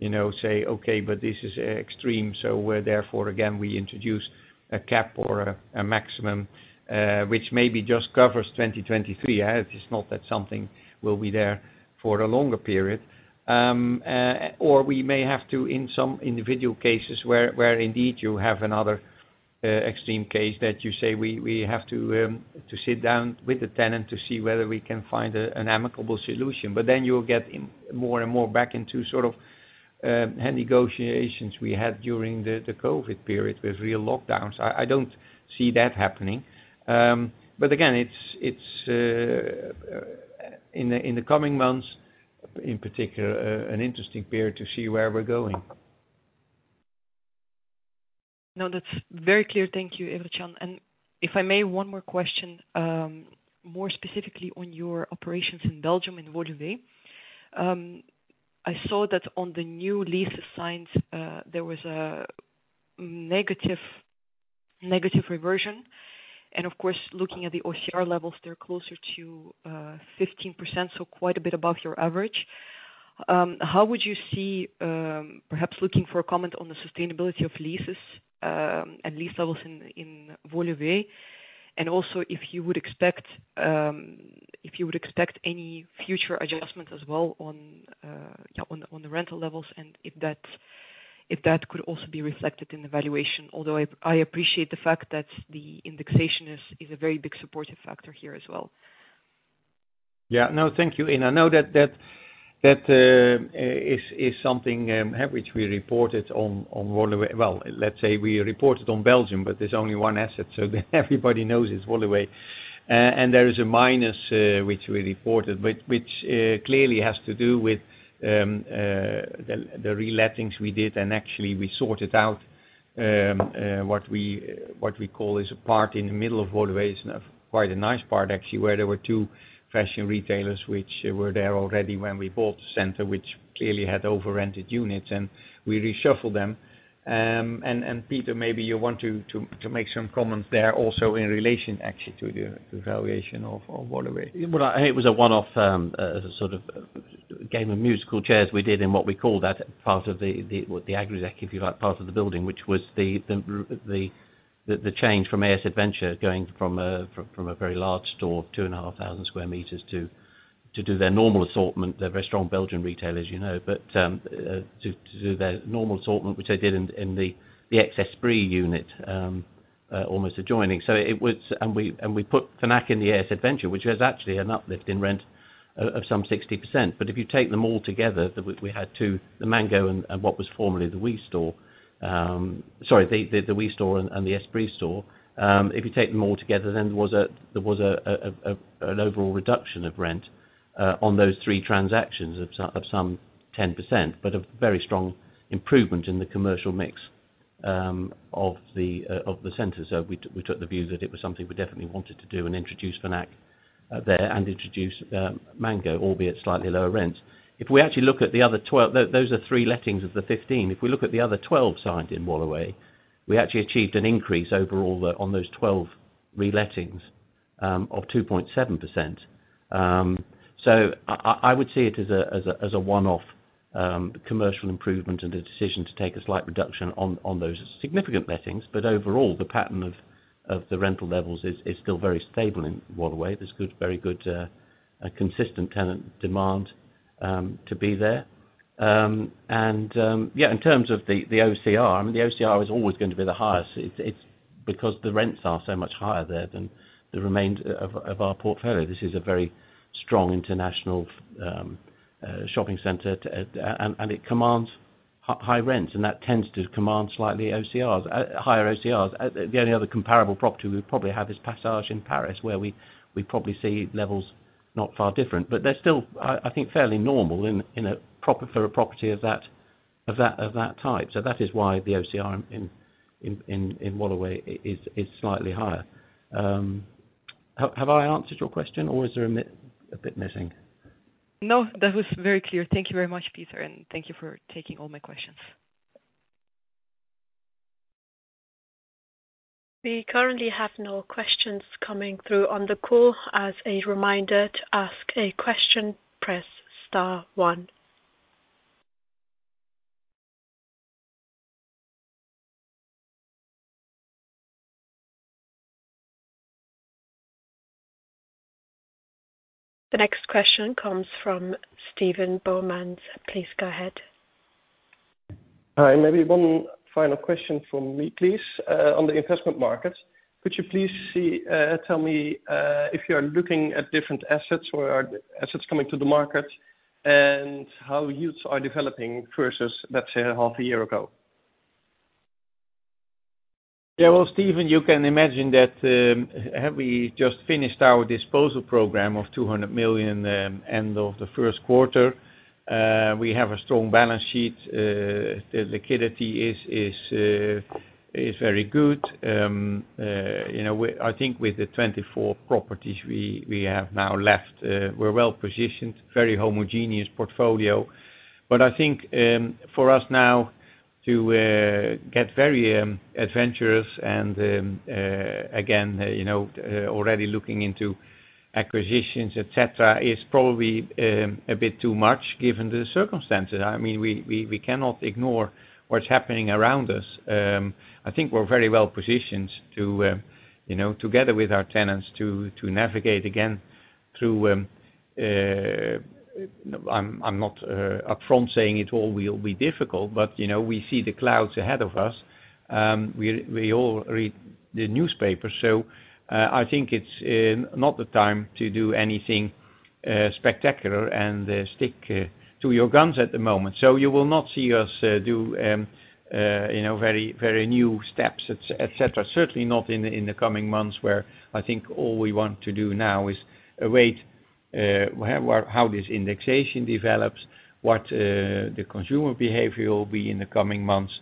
you know, say, "Okay, but this is extreme." We're therefore again we introduce a cap or a maximum, which maybe just covers 2023. It's not that something will be there for a longer period. Or we may have to, in some individual cases where indeed you have another extreme case that you say, we have to sit down with the tenant to see whether we can find an amicable solution. Then you'll get in more and more back into sort of negotiations we had during the COVID period with real lockdowns. I don't see that happening. Again, it's in the coming months in particular, an interesting period to see where we're going. No, that's very clear. Thank you, Evert Jan van Garderen. If I may, one more question, more specifically on your operations in Belgium and Woluwe. I saw that on the new lease signs, there was a negative reversion. Of course, looking at the OCR levels, they're closer to 15%, so quite a bit above your average. How would you see, perhaps looking for a comment on the sustainability of leases and lease levels in Woluwe, and also if you would expect any future adjustments as well on the rental levels, and if that could also be reflected in the valuation. I appreciate the fact that the indexation is a very big supportive factor here as well. Yeah. No, thank you. I know that is something which we reported on Woluwe. Well, let's say we reported on Belgium, but there's only one asset, so everybody knows it's Woluwe. There is a minus which we reported, which clearly has to do with the relettings we did and actually we sorted out what we call is a part in the middle of Woluwe, is quite a nice part, actually, where there were two fashion retailers which were there already when we bought the center, which clearly had over-rented units, and we reshuffled them. Peter, maybe you want to make some comments there also in relation actually to the valuation of Woluwe. It was a one-off sort of game of musical chairs we did in what we call the Agora Executive part of the building, which was the change from A.S.Adventure going from a very large store, 2,500 sq m to do their normal assortment. They're very strong Belgian retailers, you know. To do their normal assortment, which they did in the Esprit unit almost adjoining. We put Fnac in the A.S.Adventure, which was actually an uplift in rent of some 60%. If you take them all together, we had two, the Mango and what was formerly the WE store. Sorry, the WE store and the Esprit store. If you take them all together, then there was an overall reduction of rent on those three transactions of some 10%, but a very strong improvement in the commercial mix of the centers. We took the view that it was something we definitely wanted to do and introduce Fnac there and introduce Mango, albeit slightly lower rents. If we actually look at the other 12, those are three lettings of the 15. If we look at the other 12 signed in Waterway, we actually achieved an increase overall on those 12 relettings of 2.7%. I would see it as a one-off commercial improvement and a decision to take a slight reduction on those significant lettings. Overall, the pattern of the rental levels is still very stable in Woluwe. There's good, very good, consistent tenant demand to be there. In terms of the OCR, I mean, the OCR is always going to be the highest. It's because the rents are so much higher there than the remainder of our portfolio. This is a very strong international shopping center and it commands high rents, and that tends to command slightly higher OCRs. The only other comparable property we probably have is Passage du Havre in Paris, where we probably see levels not far different. They're still, I think, fairly normal in a property of that type. That is why the OCR in Waterway is slightly higher. Have I answered your question or is there a bit missing? No, that was very clear. Thank you very much, Peter, and thank you for taking all my questions. We currently have no questions coming through on the call. As a reminder, to ask a question, press star one. The next question comes from Steven Boumans. Please go ahead. Hi. Maybe one final question from me, please. On the investment markets, could you please tell me if you are looking at different assets or are assets coming to the market and how yields are developing versus, let's say, half a year ago? Yeah, well, Steven, you can imagine that we have just finished our disposal program of 200 million end of the first quarter. We have a strong balance sheet. The liquidity is very good. You know, I think with the 24 properties we have now left, we're well positioned, very homogeneous portfolio. But I think for us now to get very adventurous and again, you know, already looking into acquisitions, etc, is probably a bit too much given the circumstances. I mean, we cannot ignore what's happening around us. I think we're very well positioned to, you know, together with our tenants to navigate again through. I'm not upfront saying it all will be difficult, but you know we see the clouds ahead of us. We all read the newspaper. I think it's not the time to do anything spectacular and stick to your guns at the moment. You will not see us do, you know, very new steps, etc. Certainly not in the coming months where I think all we want to do now is await how this indexation develops, what the consumer behavior will be in the coming months.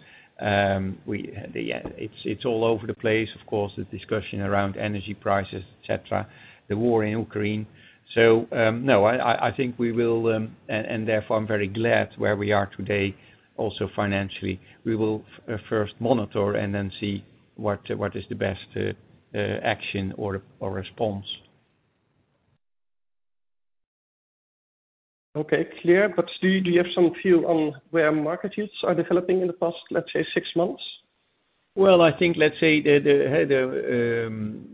Yeah, it's all over the place, of course, the discussion around energy prices, etc, the war in Ukraine. No, I think we will and therefore I'm very glad where we are today, also financially. We will first monitor and then see what is the best action or response. Okay, clear. Do you have some feel on where market yields are developing in the past, let's say, six months? Well, I think, let's say that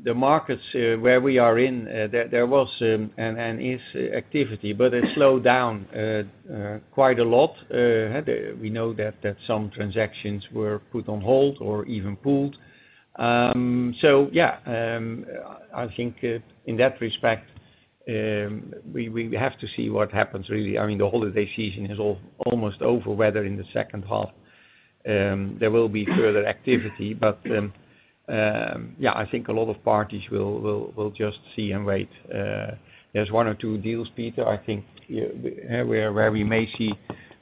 the markets where we are, there was increased activity, but it slowed down quite a lot. We know that some transactions were put on hold or even pulled. Yeah, I think in that respect, we have to see what happens really. I mean, the holiday season is almost over whether in the second half. There will be further activity, but yeah, I think a lot of parties will just see and wait. There's one or two deals, Peter, I think where we may see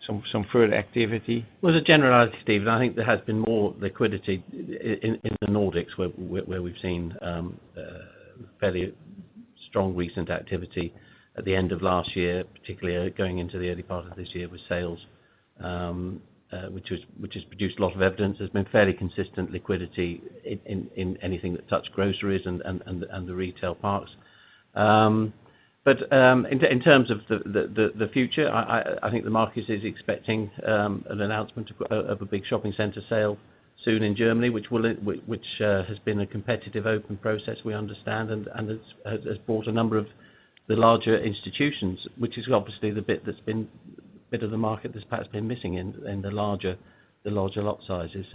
some further activity. Well, to generalize, Steven, I think there has been more liquidity in the Nordics where we've seen fairly strong recent activity at the end of last year, particularly going into the early part of this year with sales, which has produced a lot of evidence. There's been fairly consistent liquidity in anything that touched groceries and the retail parks. In terms of the future, I think the market is expecting an announcement of a big shopping center sale soon in Germany, which has been a competitive open process, we understand. has brought a number of the larger institutions, which is obviously the bit of the market that's perhaps been missing in the larger lot sizes.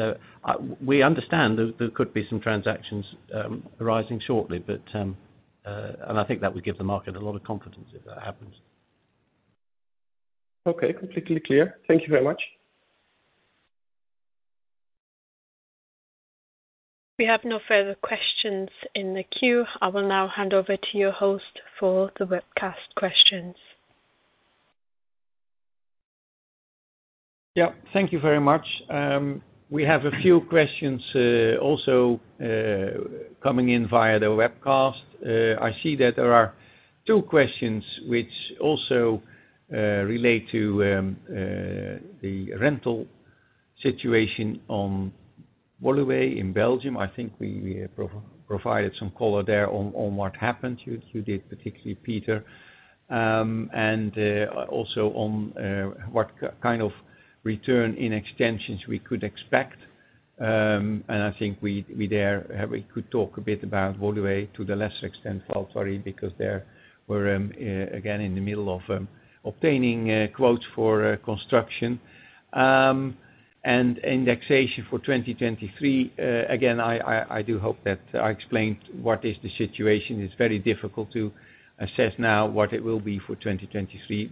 We understand there could be some transactions arising shortly, but I think that would give the market a lot of confidence if that happens. Okay. Completely clear. Thank you very much. We have no further questions in the queue. I will now hand over to your host for the webcast questions. Yeah. Thank you very much. We have a few questions, also, coming in via the webcast. I see that there are two questions which also relate to the rental situation on Woluwe in Belgium. I think we provided some color there on what happened. You did, particularly Peter. Also on what kind of rent in extensions we could expect. I think we could talk a bit about Woluwe to a lesser extent, Val Thoiry, because there we're again in the middle of obtaining quotes for construction. Indexation for 2023, again, I do hope that I explained what is the situation. It's very difficult to assess now what it will be for 2023.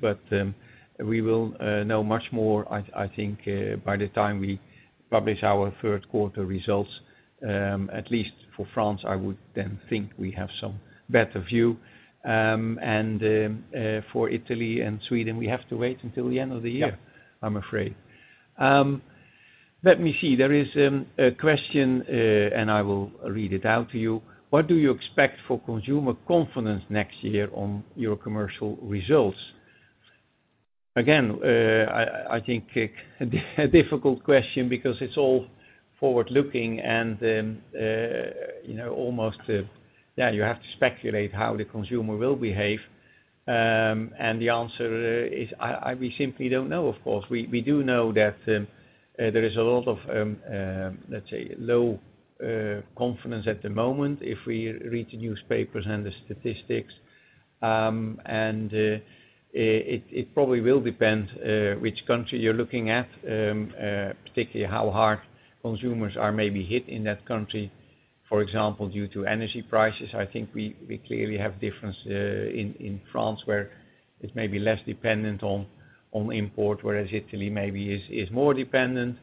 We will know much more, I think, by the time we publish our third quarter results. At least for France, I would then think we have some better view. For Italy and Sweden, we have to wait until the end of the year. Yeah I'm afraid. Let me see. There is a question, and I will read it out to you. What do you expect for consumer confidence next year on your commercial results? Again, I think a difficult question because it's all forward-looking and, you know, almost, you have to speculate how the consumer will behave. The answer is, we simply don't know, of course. We do know that there is a lot of, let's say low confidence at the moment if we read the newspapers and the statistics. It probably will depend which country you're looking at, particularly how hard consumers are maybe hit in that country. For example, due to energy prices, I think we clearly have difference in France where it may be less dependent on import, whereas Italy maybe is more dependent.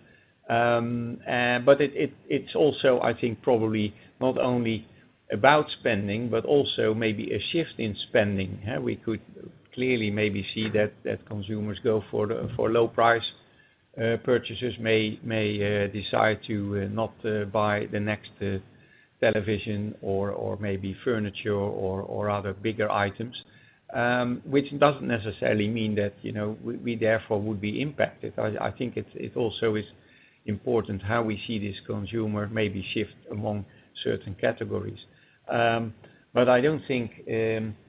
It's also, I think, probably not only about spending, but also maybe a shift in spending. Yeah, we could clearly maybe see that consumers go for low price. Purchasers may decide to not buy the next television or maybe furniture or other bigger items, which doesn't necessarily mean that, you know, we therefore would be impacted. I think it's also important how we see this consumer maybe shift among certain categories. I don't think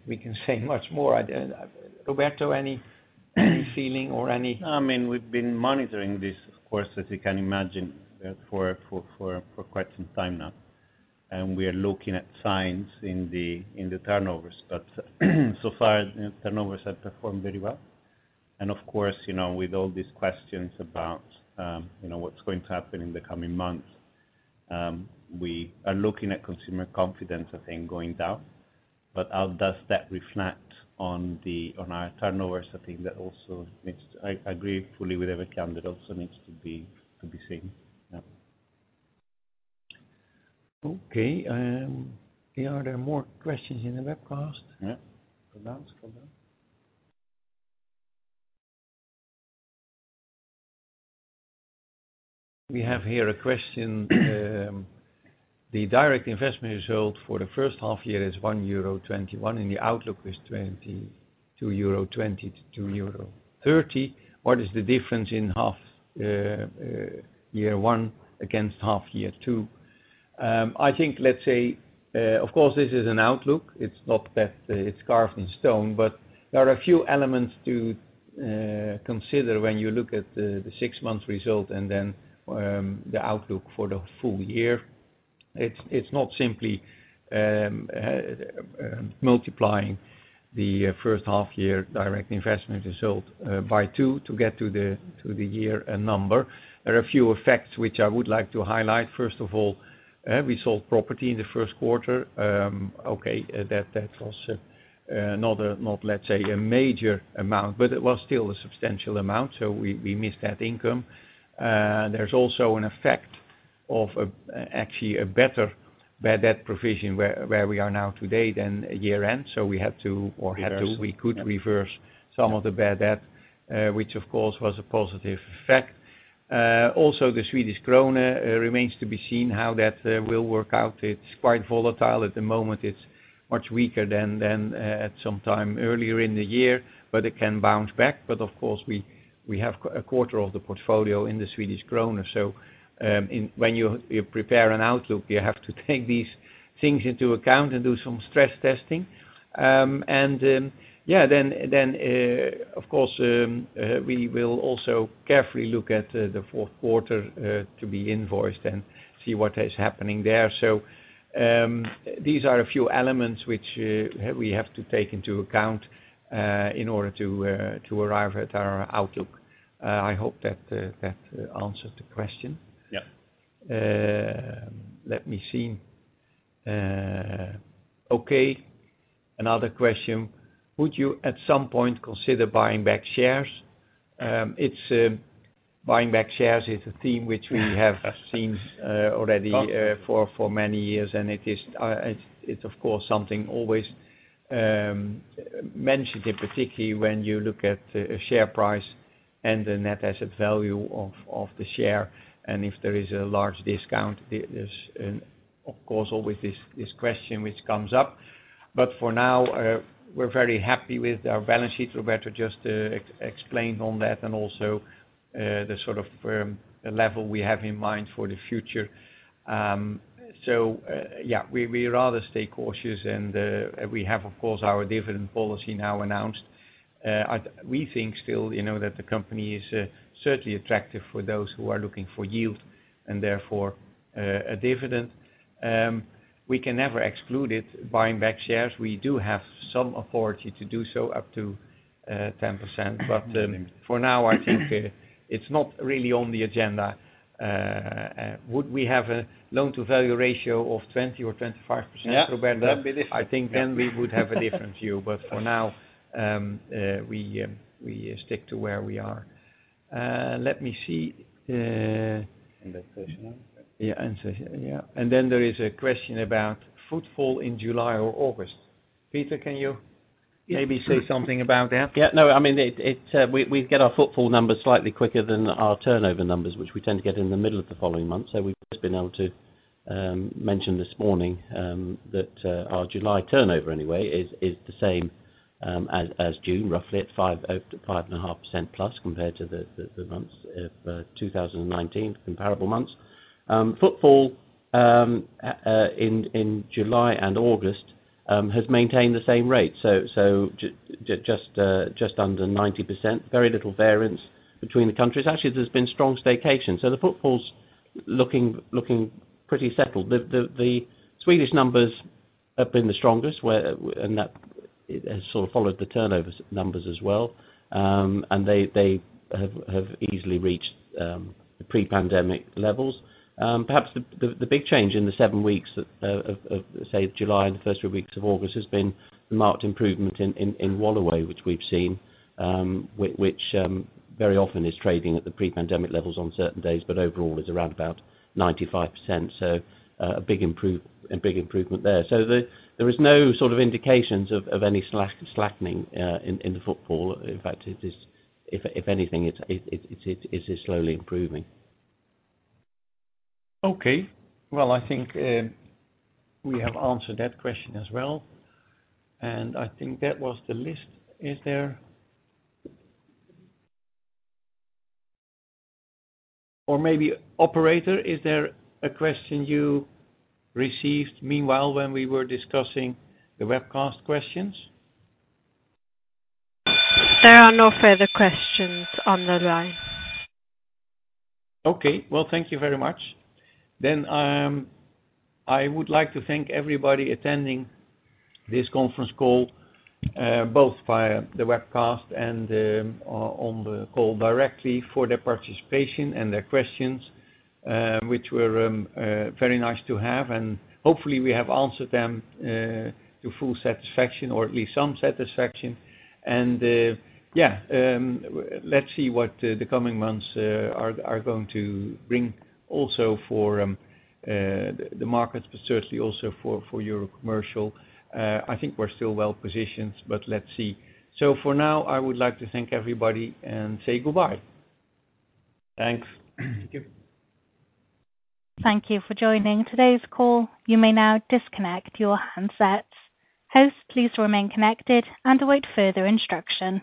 we can say much more. Roberto, any feeling or any. I mean, we've been monitoring this, of course, as you can imagine, for quite some time now, and we are looking at signs in the turnovers. So far, the turnovers have performed very well. Of course, you know, with all these questions about, you know, what's going to happen in the coming months, we are looking at consumer confidence, I think, going down. How does that reflect on our turnovers? I think that also needs to be seen. I agree fully with Evert Jan. That also needs to be seen. Yeah. Okay. Are there more questions in the webcast? Yeah. Hold on. We have here a question. The direct investment result for the first half year is 1.21 euro, and the outlook is 2.20-2.30 euro. What is the difference in half year one against half year two? I think, let's say, of course, this is an outlook. It's not that it's carved in stone. There are a few elements to consider when you look at the six-month result and then the outlook for the full year. It's not simply multiplying the first half year direct investment result by two to get to the year number. There are a few effects which I would like to highlight. First of all, we sold property in the first quarter. That's also not, let's say, a major amount, but it was still a substantial amount, so we missed that income. There's also an effect of, actually, a better bad debt provision where we are now today than year-end. We could reverse some of the bad debt, which of course was a positive effect. The Swedish krona remains to be seen how that will work out. It's quite volatile. At the moment, it's much weaker than at some time earlier in the year, but it can bounce back. Of course, we have a quarter of the portfolio in the Swedish krona. When you prepare an outlook, you have to take these things into account and do some stress testing. Of course, we will also carefully look at the fourth quarter to be invoiced and see what is happening there. These are a few elements which we have to take into account in order to arrive at our outlook. I hope that answered the question. Yeah. Let me see. Okay, another question, would you at some point consider buying back shares? Buying back shares is a theme which we have seen already for many years. It is of course something always mentioned in particular when you look at share price and the net asset value of the share. If there is a large discount, there's of course always this question which comes up. But for now, we're very happy with our balance sheet. Roberto just explained on that and also the sort of level we have in mind for the future. Yeah, we rather stay cautious and we have of course our dividend policy now announced. We think still, you know, that the company is certainly attractive for those who are looking for yield and therefore a dividend. We can never exclude it, buying back shares. We do have some authority to do so up to 10%. For now, I think it's not really on the agenda. Would we have a loan to value ratio of 20% or 25%? Yeah. That'd be different. I think then we would have a different view. For now, we stick to where we are. Let me see. That's personal. There is a question about footfall in July or August. Peter, can you maybe say something about that? Yeah. No, I mean, we get our footfall numbers slightly quicker than our turnover numbers, which we tend to get in the middle of the following month. We've just been able to mention this morning that our July turnover anyway is the same as June, roughly at 5.5%+ compared to the months of 2019 comparable months. Footfall in July and August has maintained the same rate. Just under 90%, very little variance between the countries. Actually, there's been strong staycations. The footfall's looking pretty settled. The Swedish numbers have been the strongest where, and that has sort of followed the turnover numbers as well. They have easily reached the pre-pandemic levels. Perhaps the big change in the seven weeks of say July and the first few weeks of August has been the marked improvement in Woluwe, which we've seen, which very often is trading at the pre-pandemic levels on certain days, but overall is around about 95%. A big improvement there. There is no sort of indications of any slackening in the footfall. In fact, if anything, it is slowly improving. Okay. Well, I think we have answered that question as well. I think that was the list. Or maybe operator, is there a question you received meanwhile when we were discussing the webcast questions? There are no further questions on the line. Okay. Well, thank you very much. I would like to thank everybody attending this conference call, both via the webcast and on the call directly for their participation and their questions, which were very nice to have. Hopefully, we have answered them to full satisfaction or at least some satisfaction. Yeah, let's see what the coming months are going to bring also for the markets, but certainly also for Eurocommercial. I think we're still well-positioned, but let's see. For now, I would like to thank everybody and say goodbye. Thanks. Thank you for joining today's call. You may now disconnect your handsets. Hosts, please remain connected and await further instruction.